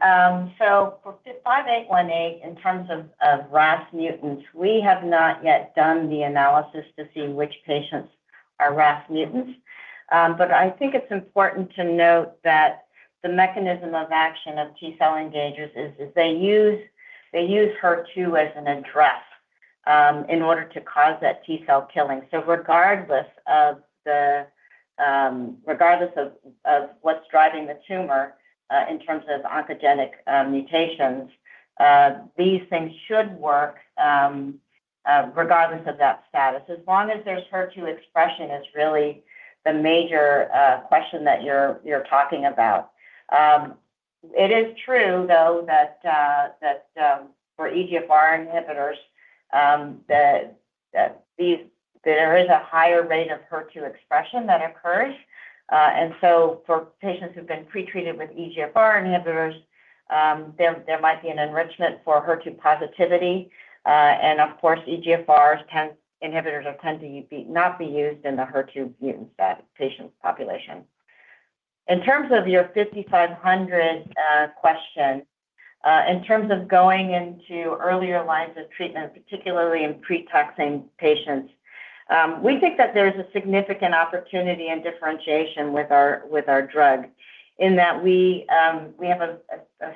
So for 5818, in terms of RAS mutants, we have not yet done the analysis to see which patients are RAS mutants. But I think it's important to note that the mechanism of action of T-cell engagers is they use HER2 as an address in order to cause that T-cell killing. So regardless of what's driving the tumor in terms of oncogenic mutations, these things should work regardless of that status, as long as there's HER2 expression, is really the major question that you're talking about. It is true, though, that for EGFR inhibitors, there is a higher rate of HER2 expression that occurs. And so for patients who've been pretreated with EGFR inhibitors, there might be an enrichment for HER2 positivity. And of course, EGFR inhibitors tend to not be used in the HER2 mutant patient population. In terms of your 5500 question, in terms of going into earlier lines of treatment, particularly in pre-taxane patients, we think that there is a significant opportunity and differentiation with our drug in that we have a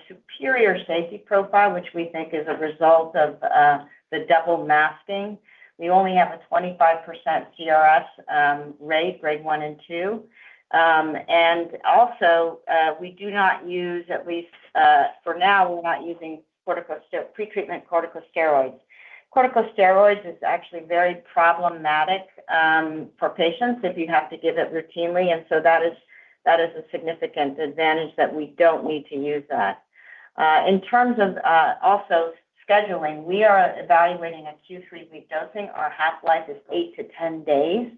superior safety profile, which we think is a result of the dual masking. We only have a 25% CRS rate, grade one and two. And also, we do not use, at least for now, we're not using pretreatment corticosteroids. Corticosteroids is actually very problematic for patients if you have to give it routinely. And so that is a significant advantage that we don't need to use that. In terms of also scheduling, we are evaluating a Q3 week dosing. Our half-life is eight to 10 days,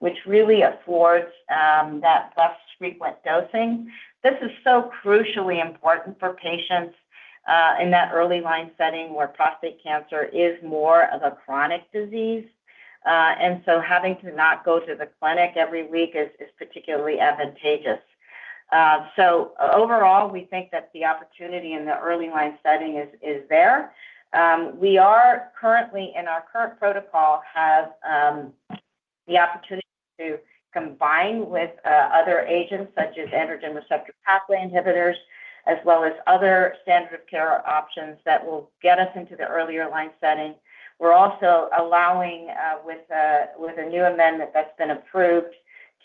which really affords that less frequent dosing. This is so crucially important for patients in that early line setting where prostate cancer is more of a chronic disease, and so having to not go to the clinic every week is particularly advantageous, so overall, we think that the opportunity in the early line setting is there. We are currently, in our current protocol, have the opportunity to combine with other agents such as androgen receptor pathway inhibitors, as well as other standard of care options that will get us into the earlier line setting. We're also allowing, with a new amendment that's been approved,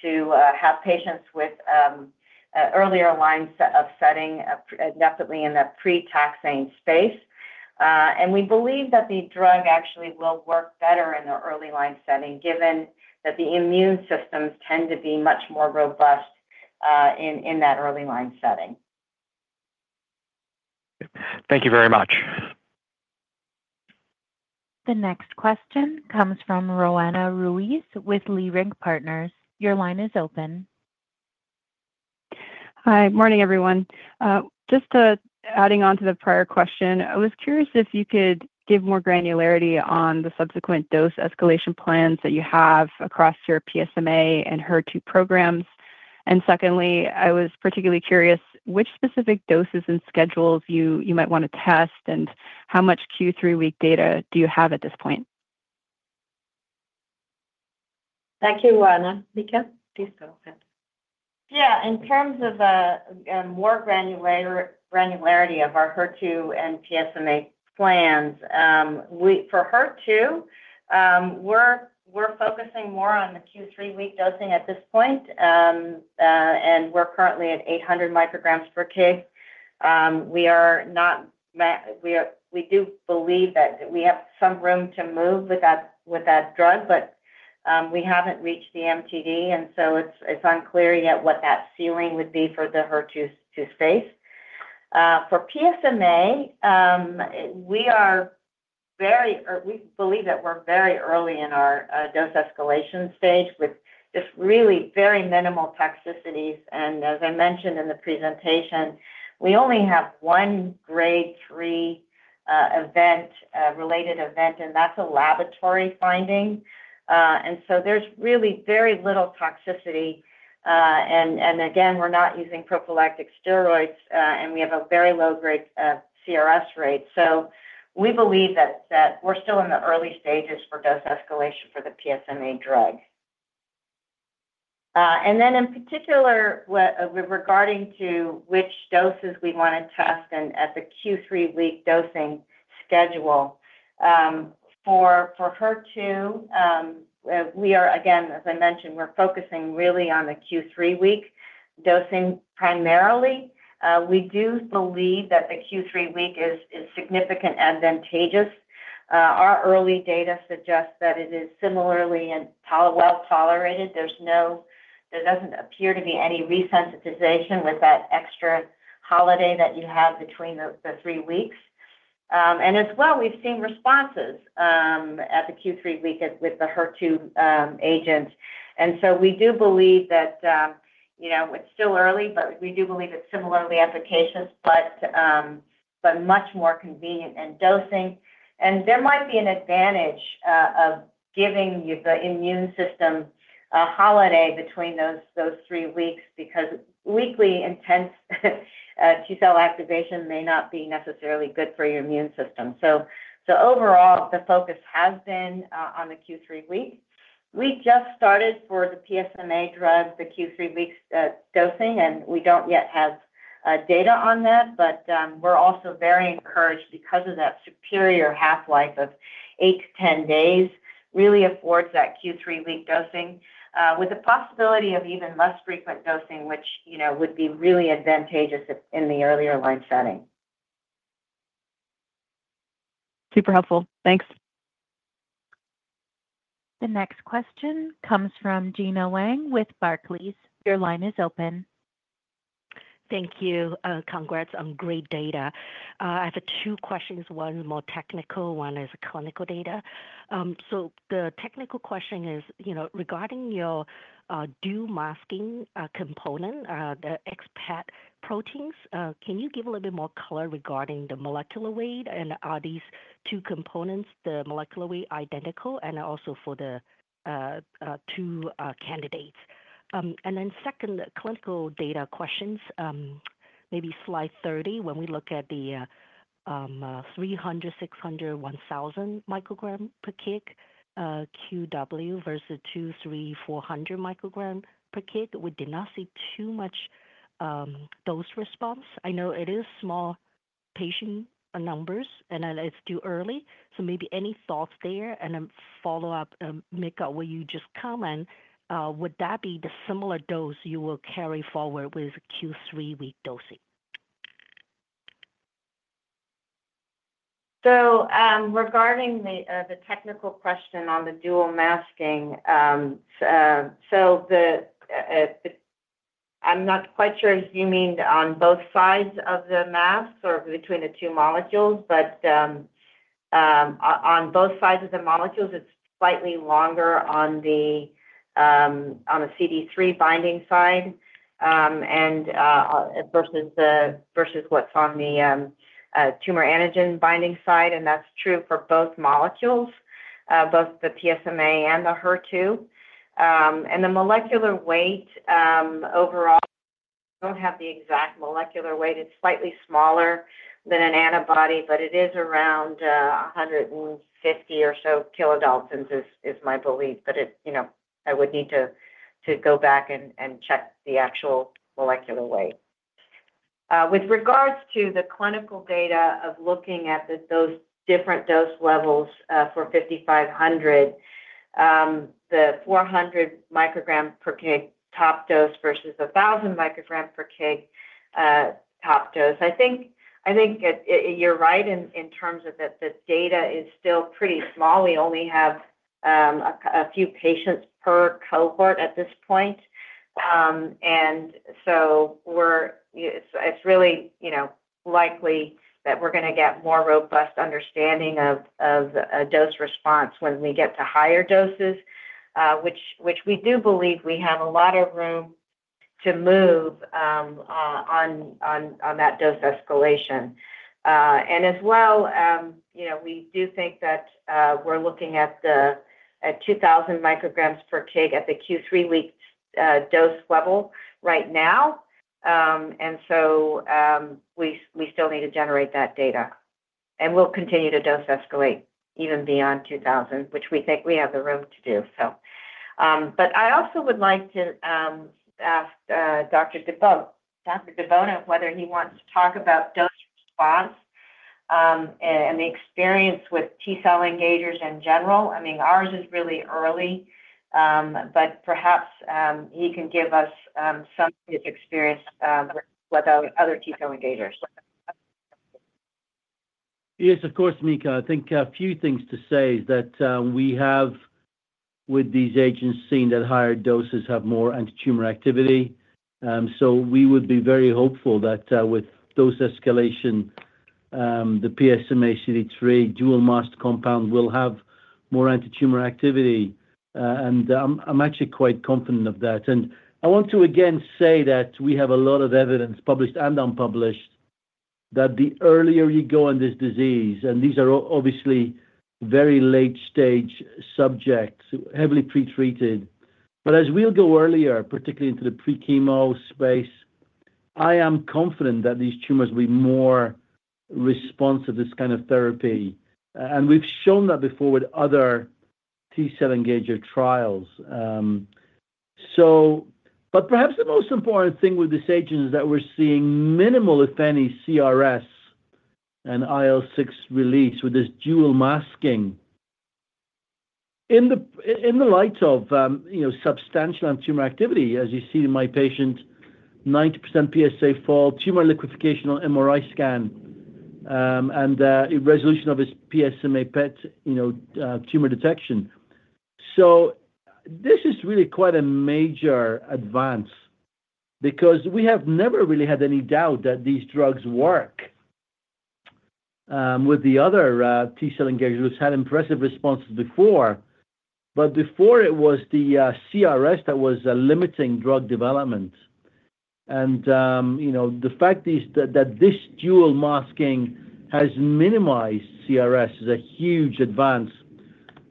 to have patients with earlier lines of setting definitely in the pre-taxane space, and we believe that the drug actually will work better in the early line setting, given that the immune systems tend to be much more robust in that early line setting. Thank you very much. The next question comes from Roanna Ruiz with Leerink Partners. Your line is open. Hi. Morning, everyone. Just adding on to the prior question, I was curious if you could give more granularity on the subsequent dose escalation plans that you have across your PSMA and HER2 programs. And secondly, I was particularly curious which specific doses and schedules you might want to test and how much Q3 week data do you have at this point? Thank you, Roanna. Mika. Please go ahead. Yeah. In terms of more granularity of our HER2 and PSMA plans, for HER2, we're focusing more on the Q3 week dosing at this point. And we're currently at 800 micrograms per kg. We do believe that we have some room to move with that drug, but we haven't reached the MTD. And so it's unclear yet what that ceiling would be for the HER2 space. For PSMA, we believe that we're very early in our dose escalation stage with just really very minimal toxicities, and as I mentioned in the presentation, we only have one grade three related event, and that's a laboratory finding, so there's really very little toxicity. Again, we're not using prophylactic steroids, and we have a very low grade CRS rate, so we believe that we're still in the early stages for dose escalation for the PSMA drug. Then, in particular, regarding to which doses we want to test and at the Q3 week dosing schedule, for HER2, we are, again, as I mentioned, we're focusing really on the Q3 week dosing primarily. We do believe that the Q3 week is significantly advantageous. Our early data suggests that it is similarly well tolerated. There doesn't appear to be any resensitization with that extra holiday that you have between the three weeks, and as well, we've seen responses at the Q3 week with the HER2 agents. And so we do believe that it's still early, but we do believe it's similarly efficacious, but much more convenient in dosing. And there might be an advantage of giving the immune system a holiday between those three weeks because weekly intense T-cell activation may not be necessarily good for your immune system. So overall, the focus has been on the Q3 week. We just started for the PSMA drug the Q3 week dosing, and we don't yet have data on that. But we're also very encouraged because of that superior half-life of 8 to 10 days, really affords that Q3 week dosing with the possibility of even less frequent dosing, which would be really advantageous in the earlier line setting. Super helpful. Thanks. The next question comes from Gena Wang with Barclays. Your line is open. Thank you. Congrats on great data. I have two questions. One is more technical. One is clinical data. So the technical question is regarding your dual masking component, the XPAT proteins. Can you give a little bit more color regarding the molecular weight? And are these two components, the molecular weight, identical? And also for the two candidates? And then second, the clinical data questions, maybe slide 30, when we look at the 300, 600, 1,000 microgram per kg QW versus 2, 3, 400 microgram per kg, we did not see too much dose response. I know it is small patient numbers, and it's too early. So maybe any thoughts there? And I'll follow up, Mika, where you just comment, would that be the similar dose you will carry forward with Q3 week dosing? So regarding the technical question on the dual masking, so I'm not quite sure if you mean on both sides of the mask or between the two molecules, but on both sides of the molecules, it's slightly longer on the CD3 binding side versus what's on the tumor antigen binding side. And that's true for both molecules, both the PSMA and the HER2. And the molecular weight overall, we don't have the exact molecular weight. It's slightly smaller than an antibody, but it is around 150 or so kilodaltons is my belief. But I would need to go back and check the actual molecular weight. With regards to the clinical data of looking at those different dose levels for VIR-5500, the 400 microgram per kg top dose versus 1,000 microgram per kg top dose, I think you're right in terms of that the data is still pretty small. We only have a few patients per cohort at this point. And so it's really likely that we're going to get more robust understanding of dose response when we get to higher doses, which we do believe we have a lot of room to move on that dose escalation. And as well, we do think that we're looking at 2,000 micrograms per kg at the Q3 week dose level right now. And so we still need to generate that data. And we'll continue to dose escalate even beyond 2,000, which we think we have the room to do, so. But I also would like to ask Dr. de Bono whether he wants to talk about dose response and the experience with T-cell engagers in general. I mean, ours is really early, but perhaps he can give us some of his experience with other T-cell engagers. Yes, of course, Mika. I think a few things to say is that we have, with these agents seen at higher doses, have more anti-tumor activity. So we would be very hopeful that with dose escalation, the PSMA CD3 dual mask compound will have more anti-tumor activity. And I'm actually quite confident of that. And I want to again say that we have a lot of evidence, published and unpublished, that the earlier you go in this disease, and these are obviously very late-stage subjects, heavily pretreated. But as we'll go earlier, particularly into the pre-chemo space, I am confident that these tumors will be more responsive to this kind of therapy. We've shown that before with other T-cell engager trials. Perhaps the most important thing with this agent is that we're seeing minimal, if any, CRS and IL-6 release with this dual masking in the light of substantial anti-tumor activity, as you see in my patient, 90% PSA fall, tumor liquefaction on MRI scan, and resolution of his PSMA PET tumor detection. This is really quite a major advance because we have never really had any doubt that these drugs work. With the other T-cell engagers, which had impressive responses before, but before it was the CRS that was limiting drug development. The fact that this dual masking has minimized CRS is a huge advance,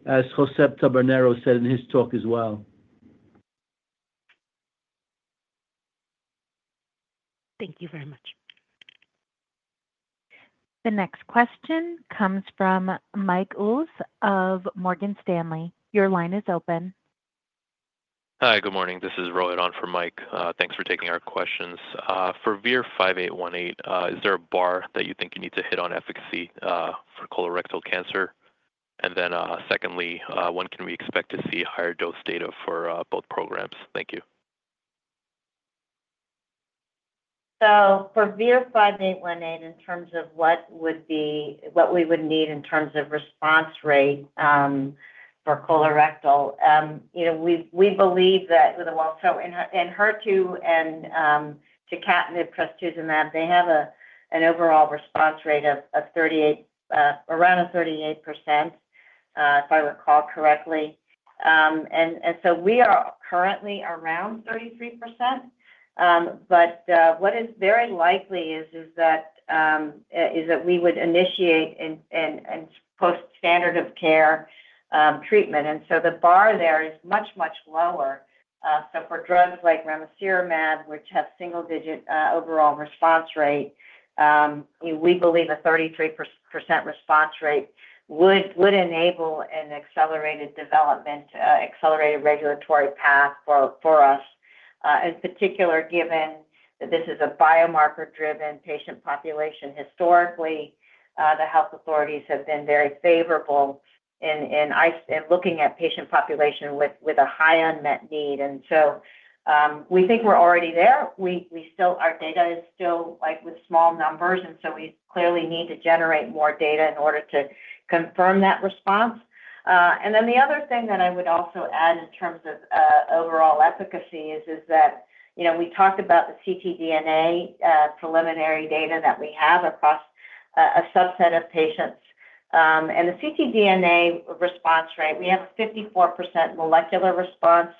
as Josep Tabernero said in his talk as well. Thank you very much. The next question comes from Mike Ulz of Morgan Stanley. Your line is open. Hi. Good morning. This is Rohit on for Mike. Thanks for taking our questions. For VIR-5818, is there a bar that you think you need to hit on efficacy for colorectal cancer? And then secondly, when can we expect to see higher dose data for both programs? Thank you. So for VIR-5818, in terms of what we would need in terms of response rate for colorectal, we believe that in HER2 and tucatinib and the trastuzumab and that, they have an overall response rate of around 38%, if I recall correctly. And so we are currently around 33%. But what is very likely is that we would initiate and post standard of care treatment. And so the bar there is much, much lower. So for drugs like ramucirumab, which have single-digit overall response rate, we believe a 33% response rate would enable an accelerated development, accelerated regulatory path for us. In particular, given that this is a biomarker-driven patient population historically, the health authorities have been very favorable in looking at patient population with a high unmet need, and so we think we're already there. Our data is still with small numbers, and so we clearly need to generate more data in order to confirm that response, and then the other thing that I would also add in terms of overall efficacy is that we talked about the ctDNA preliminary data that we have across a subset of patients, and the ctDNA response rate, we have a 54% molecular response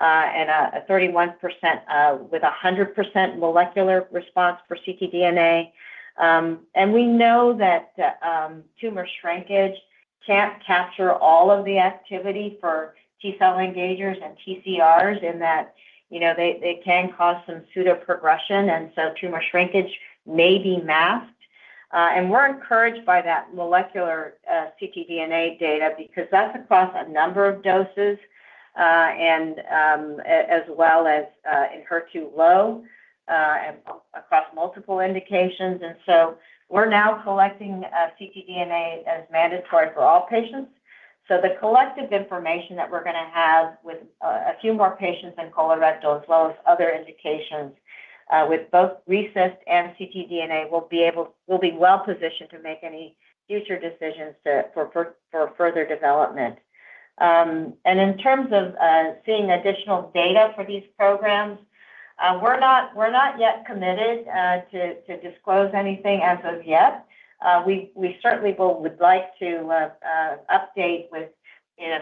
and a 31% with 100% molecular response for ctDNA, and we know that tumor shrinkage can't capture all of the activity for T-cell engagers and TCRs in that they can cause some pseudoprogression, and so tumor shrinkage may be masked. We're encouraged by that molecular ctDNA data because that's across a number of doses and as well as in HER2 low across multiple indications. We're now collecting ctDNA as mandatory for all patients. The collective information that we're going to have with a few more patients in colorectal as well as other indications with both RECIST and ctDNA will be well-positioned to make any future decisions for further development. In terms of seeing additional data for these programs, we're not yet committed to disclose anything as of yet. We certainly would like to update with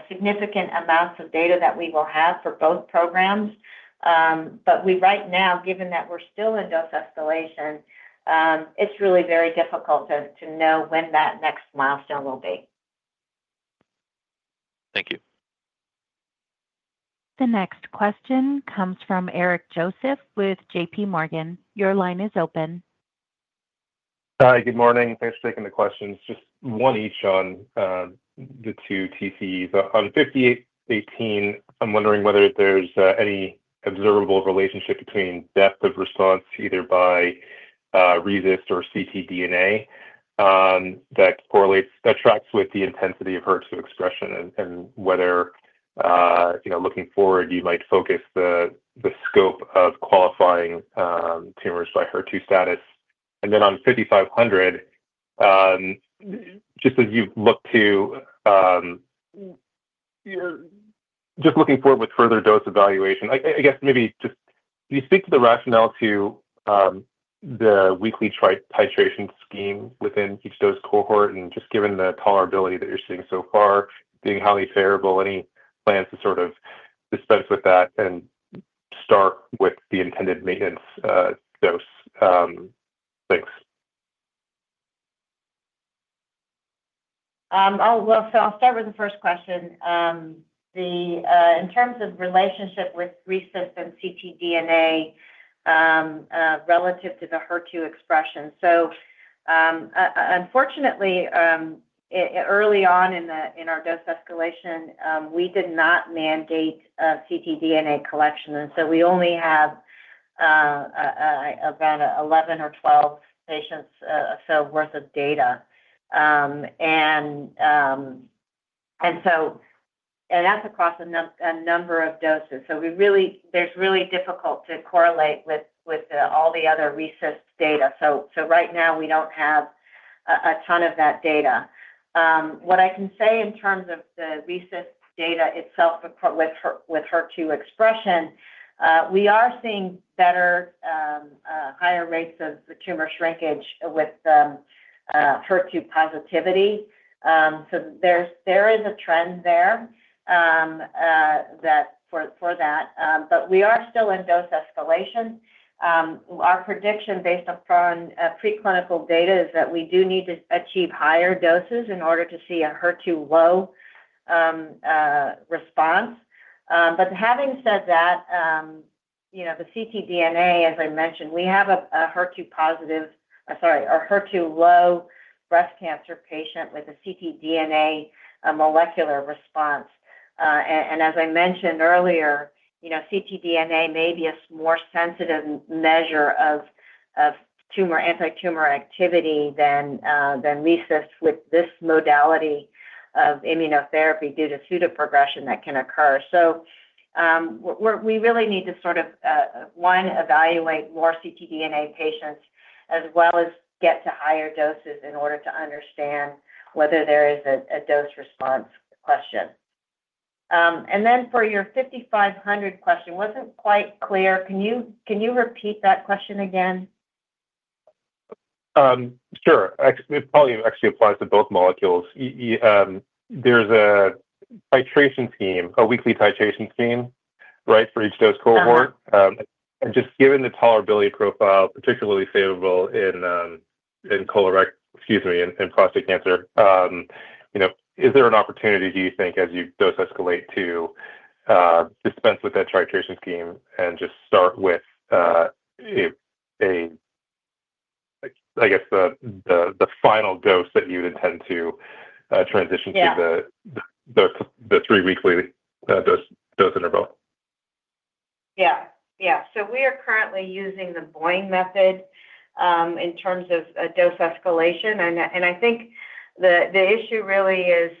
significant amounts of data that we will have for both programs. Right now, given that we're still in dose escalation, it's really very difficult to know when that next milestone will be. Thank you. The next question comes from Eric Joseph with J.P. Morgan. Your line is open. Hi. Good morning. Thanks for taking the questions. Just one each on the two TCEs. On 5818, I'm wondering whether there's any observable relationship between depth of response either by RECIST or ctDNA that tracks with the intensity of HER2 expression and whether looking forward, you might focus the scope of qualifying tumors by HER2 status. And then on 5500, just as you look to just looking forward with further dose evaluation, I guess maybe just can you speak to the rationale to the weekly titration scheme within each dose cohort? And just given the tolerability that you're seeing so far, being highly favorable, any plans to sort of dispense with that and start with the intended maintenance dose? Thanks. Oh, well, so I'll start with the first question. In terms of relationship with RECIST and ctDNA relative to the HER2 expression, unfortunately, early on in our dose escalation, we did not mandate ctDNA collection. So we only have about 11 or 12 patients or so worth of data, and that's across a number of doses. It's really difficult to correlate with all the other RECIST data. Right now, we don't have a ton of that data. What I can say in terms of the RECIST data itself with HER2 expression, we are seeing better, higher rates of tumor shrinkage with HER2 positivity. There is a trend there for that. We are still in dose escalation. Our prediction based upon preclinical data is that we do need to achieve higher doses in order to see a HER2 low response. But having said that, the ctDNA, as I mentioned, we have a HER2 positive or sorry, a HER2 low breast cancer patient with a ctDNA molecular response. And as I mentioned earlier, ctDNA may be a more sensitive measure of tumor anti-tumor activity than RECIST with this modality of immunotherapy due to pseudoprogression that can occur. So we really need to sort of, one, evaluate more ctDNA patients as well as get to higher doses in order to understand whether there is a dose response question. And then for your 5500 question, wasn't quite clear. Can you repeat that question again? Sure. It probably actually applies to both molecules. There's a titration scheme, a weekly titration scheme, right, for each dose cohort. Just given the tolerability profile, particularly favorable in colorectal excuse me, in prostate cancer, is there an opportunity, do you think, as you dose escalate to dispense with that titration scheme and just start with, I guess, the final dose that you'd intend to transition to the three-weekly dose interval? Yeah. Yeah. So we are currently using the BOIN method in terms of dose escalation. And I think the issue really is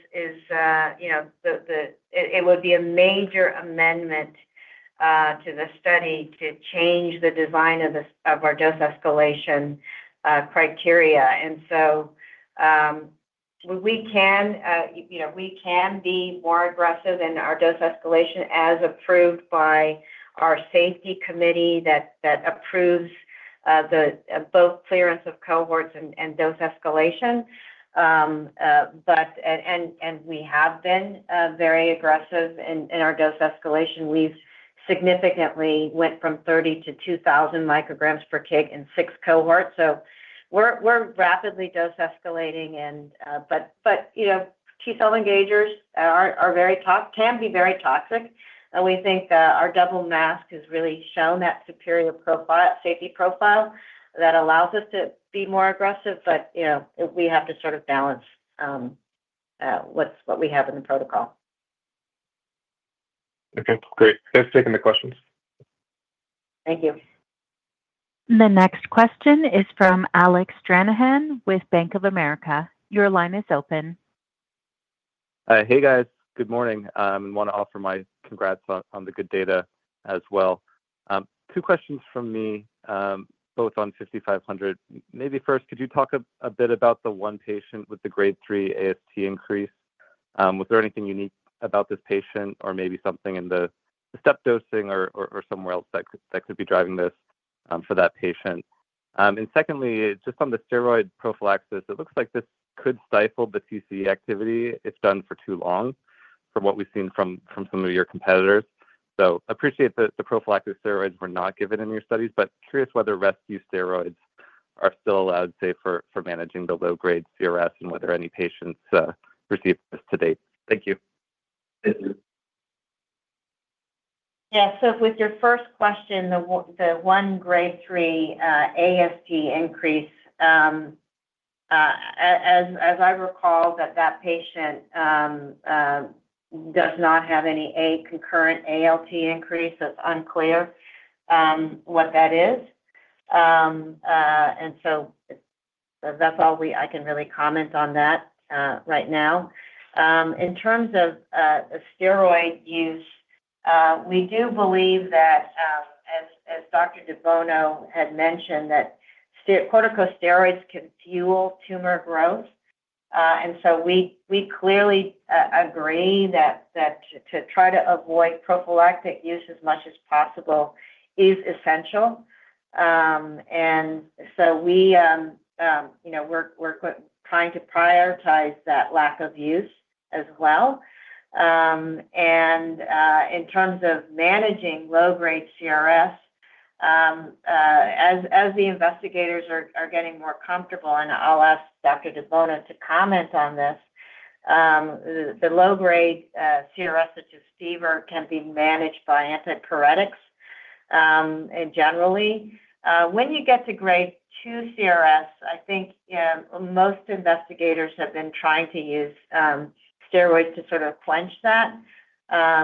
it would be a major amendment to the study to change the design of our dose escalation criteria. And so we can be more aggressive in our dose escalation as approved by our safety committee that approves both clearance of cohorts and dose escalation. And we have been very aggressive in our dose escalation. We've significantly went from 30 to 2,000 micrograms per kg in six cohorts. So we're rapidly dose escalating. But T-cell engagers can be very toxic. And we think our double mask has really shown that superior safety profile that allows us to be more aggressive. But we have to sort of balance what we have in the protocol. Okay. Great. Thanks for taking the questions. Thank you. The next question is from Alec Stranahan with Bank of America. Your line is open. Hey, guys. Good morning. I want to offer my congrats on the good data as well. Two questions from me, both on 5500. Maybe first, could you talk a bit about the one patient with the grade 3 AST increase? Was there anything unique about this patient or maybe something in the step dosing or somewhere else that could be driving this for that patient? Secondly, just on the steroid prophylaxis, it looks like this could stifle the TCE activity if done for too long from what we've seen from some of your competitors. So I appreciate that the prophylactic steroids were not given in your studies, but curious whether rescue steroids are still allowed, say, for managing the low-grade CRS and whether any patients receive this to date. Thank you. Yeah. So with your first question, the one grade 3 AST increase, as I recall, that patient does not have any concurrent ALT increase. It's unclear what that is. And so that's all I can really comment on that right now. In terms of steroid use, we do believe that, as Dr. de Bono had mentioned, that corticosteroids can fuel tumor growth. So we clearly agree that to try to avoid prophylactic use as much as possible is essential. So we're trying to prioritize that lack of use as well. In terms of managing low-grade CRS, as the investigators are getting more comfortable, and I'll ask Dr. de Bono to comment on this, the low-grade CRS such as fever can be managed by antipyretics generally. When you get to grade 2 CRS, I think most investigators have been trying to use steroids to sort of quench that,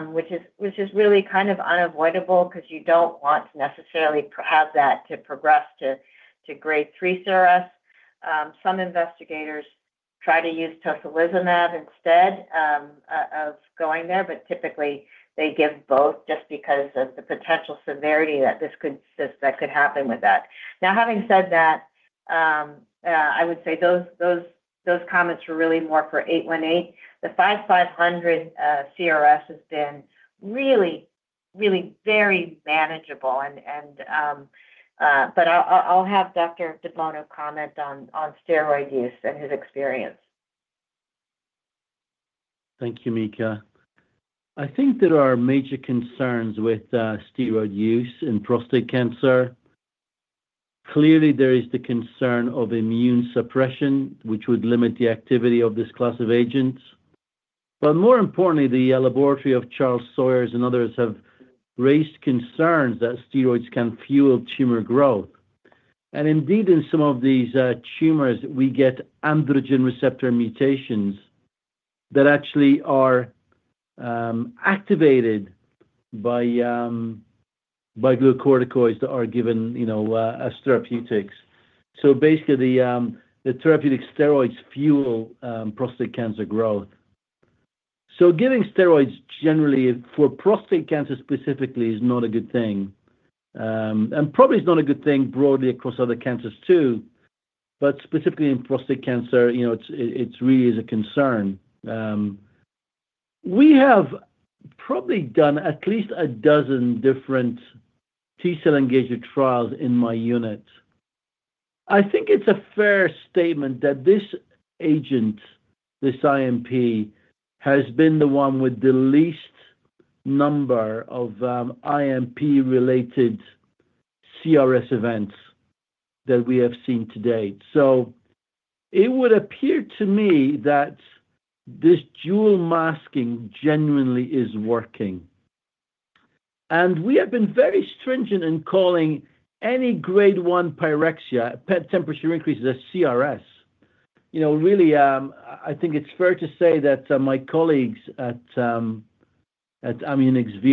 which is really kind of unavoidable because you don't want to necessarily have that to progress to grade 3 CRS. Some investigators try to use tocilizumab instead of going there, but typically, they give both just because of the potential severity that could happen with that. Now, having said that, I would say those comments were really more for 818. The 5500 CRS has been really, really very manageable. But I'll have Dr. de Bono comment on steroid use and his experience. Thank you, Mika. I think there are major concerns with steroid use in prostate cancer. Clearly, there is the concern of immune suppression, which would limit the activity of this class of agents. But more importantly, the laboratory of Charles Sawyers and others have raised concerns that steroids can fuel tumor growth. And indeed, in some of these tumors, we get androgen receptor mutations that actually are activated by glucocorticoids that are given as therapeutics. So basically, the therapeutic steroids fuel prostate cancer growth. So giving steroids generally for prostate cancer specifically is not a good thing. And probably it's not a good thing broadly across other cancers too. But specifically in prostate cancer, it really is a concern. We have probably done at least a dozen different T-cell engager trials in my unit. I think it's a fair statement that this agent, this IMP, has been the one with the least number of IMP-related CRS events that we have seen to date. So it would appear to me that this dual masking genuinely is working, and we have been very stringent in calling any grade 1 pyrexia temperature increase a CRS. Really, I think it's fair to say that my colleagues at Amunix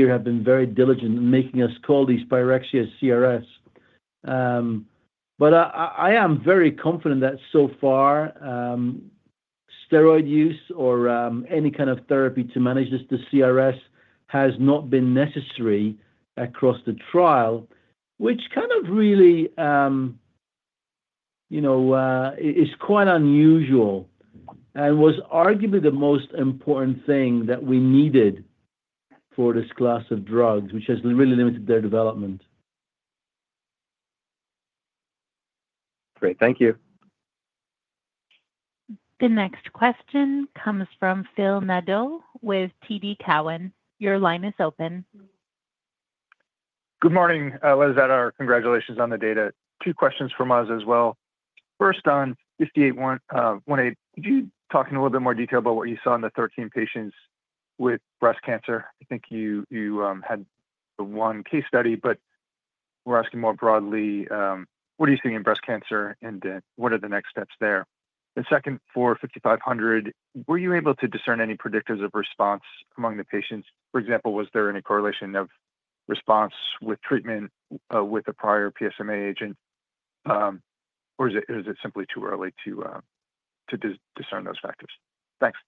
have been very diligent in making us call these pyrexias CRS. But I am very confident that so far, steroid use or any kind of therapy to manage this CRS has not been necessary across the trial, which kind of really is quite unusual and was arguably the most important thing that we needed for this class of drugs, which has really limited their development. Great. Thank you. The next question comes from Phil Nadeau with TD Cowen. Your line is open. Good morning. Marianne. Congratulations on the data. Two questions from us as well. First, on 5818, could you talk in a little bit more detail about what you saw in the 13 patients with breast cancer? I think you had one case study, but we're asking more broadly, what are you seeing in breast cancer, and what are the next steps there? The second for 5500, were you able to discern any predictors of response among the patients? For example, was there any correlation of response with treatment with a prior PSMA agent, or is it simply too early to discern those factors? Thanks.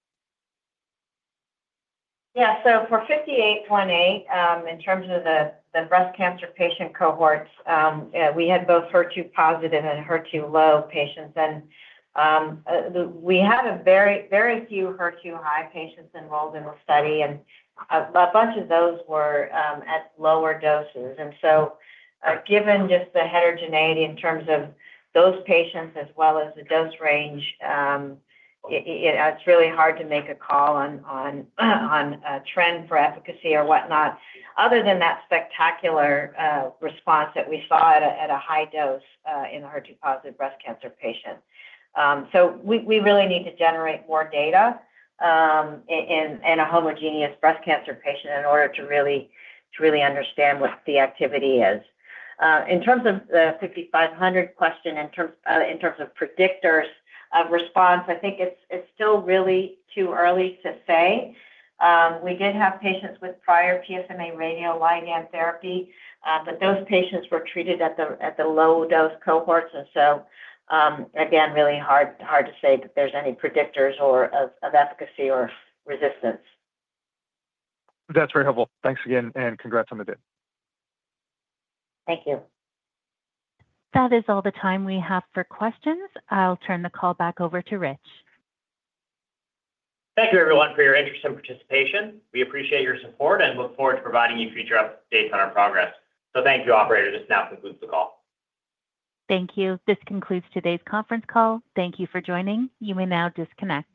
Yeah, so for 5818, in terms of the breast cancer patient cohorts, we had both HER2 positive and HER2 low patients. And we had very few HER2 high patients enrolled in the study, and a bunch of those were at lower doses. Given just the heterogeneity in terms of those patients as well as the dose range, it's really hard to make a call on trend for efficacy or whatnot other than that spectacular response that we saw at a high-dose in a HER2-positive breast cancer patient. So we really need to generate more data in a homogeneous breast cancer patient in order to really understand what the activity is. In terms of the 5500 question, in terms of predictors of response, I think it's still really too early to say. We did have patients with prior PSMA radioligand therapy, but those patients were treated at the low-dose cohorts. And so, again, really hard to say that there's any predictors of efficacy or resistance. That's very helpful. Thanks again, and congrats on the data. Thank you. That is all the time we have for questions. I'll turn the call back over to Rich. Thank you, everyone, for your interest and participation. We appreciate your support and look forward to providing you future updates on our progress. So thank you, operator. This now concludes the call. Thank you. This concludes today's conference call. Thank you for joining. You may now disconnect.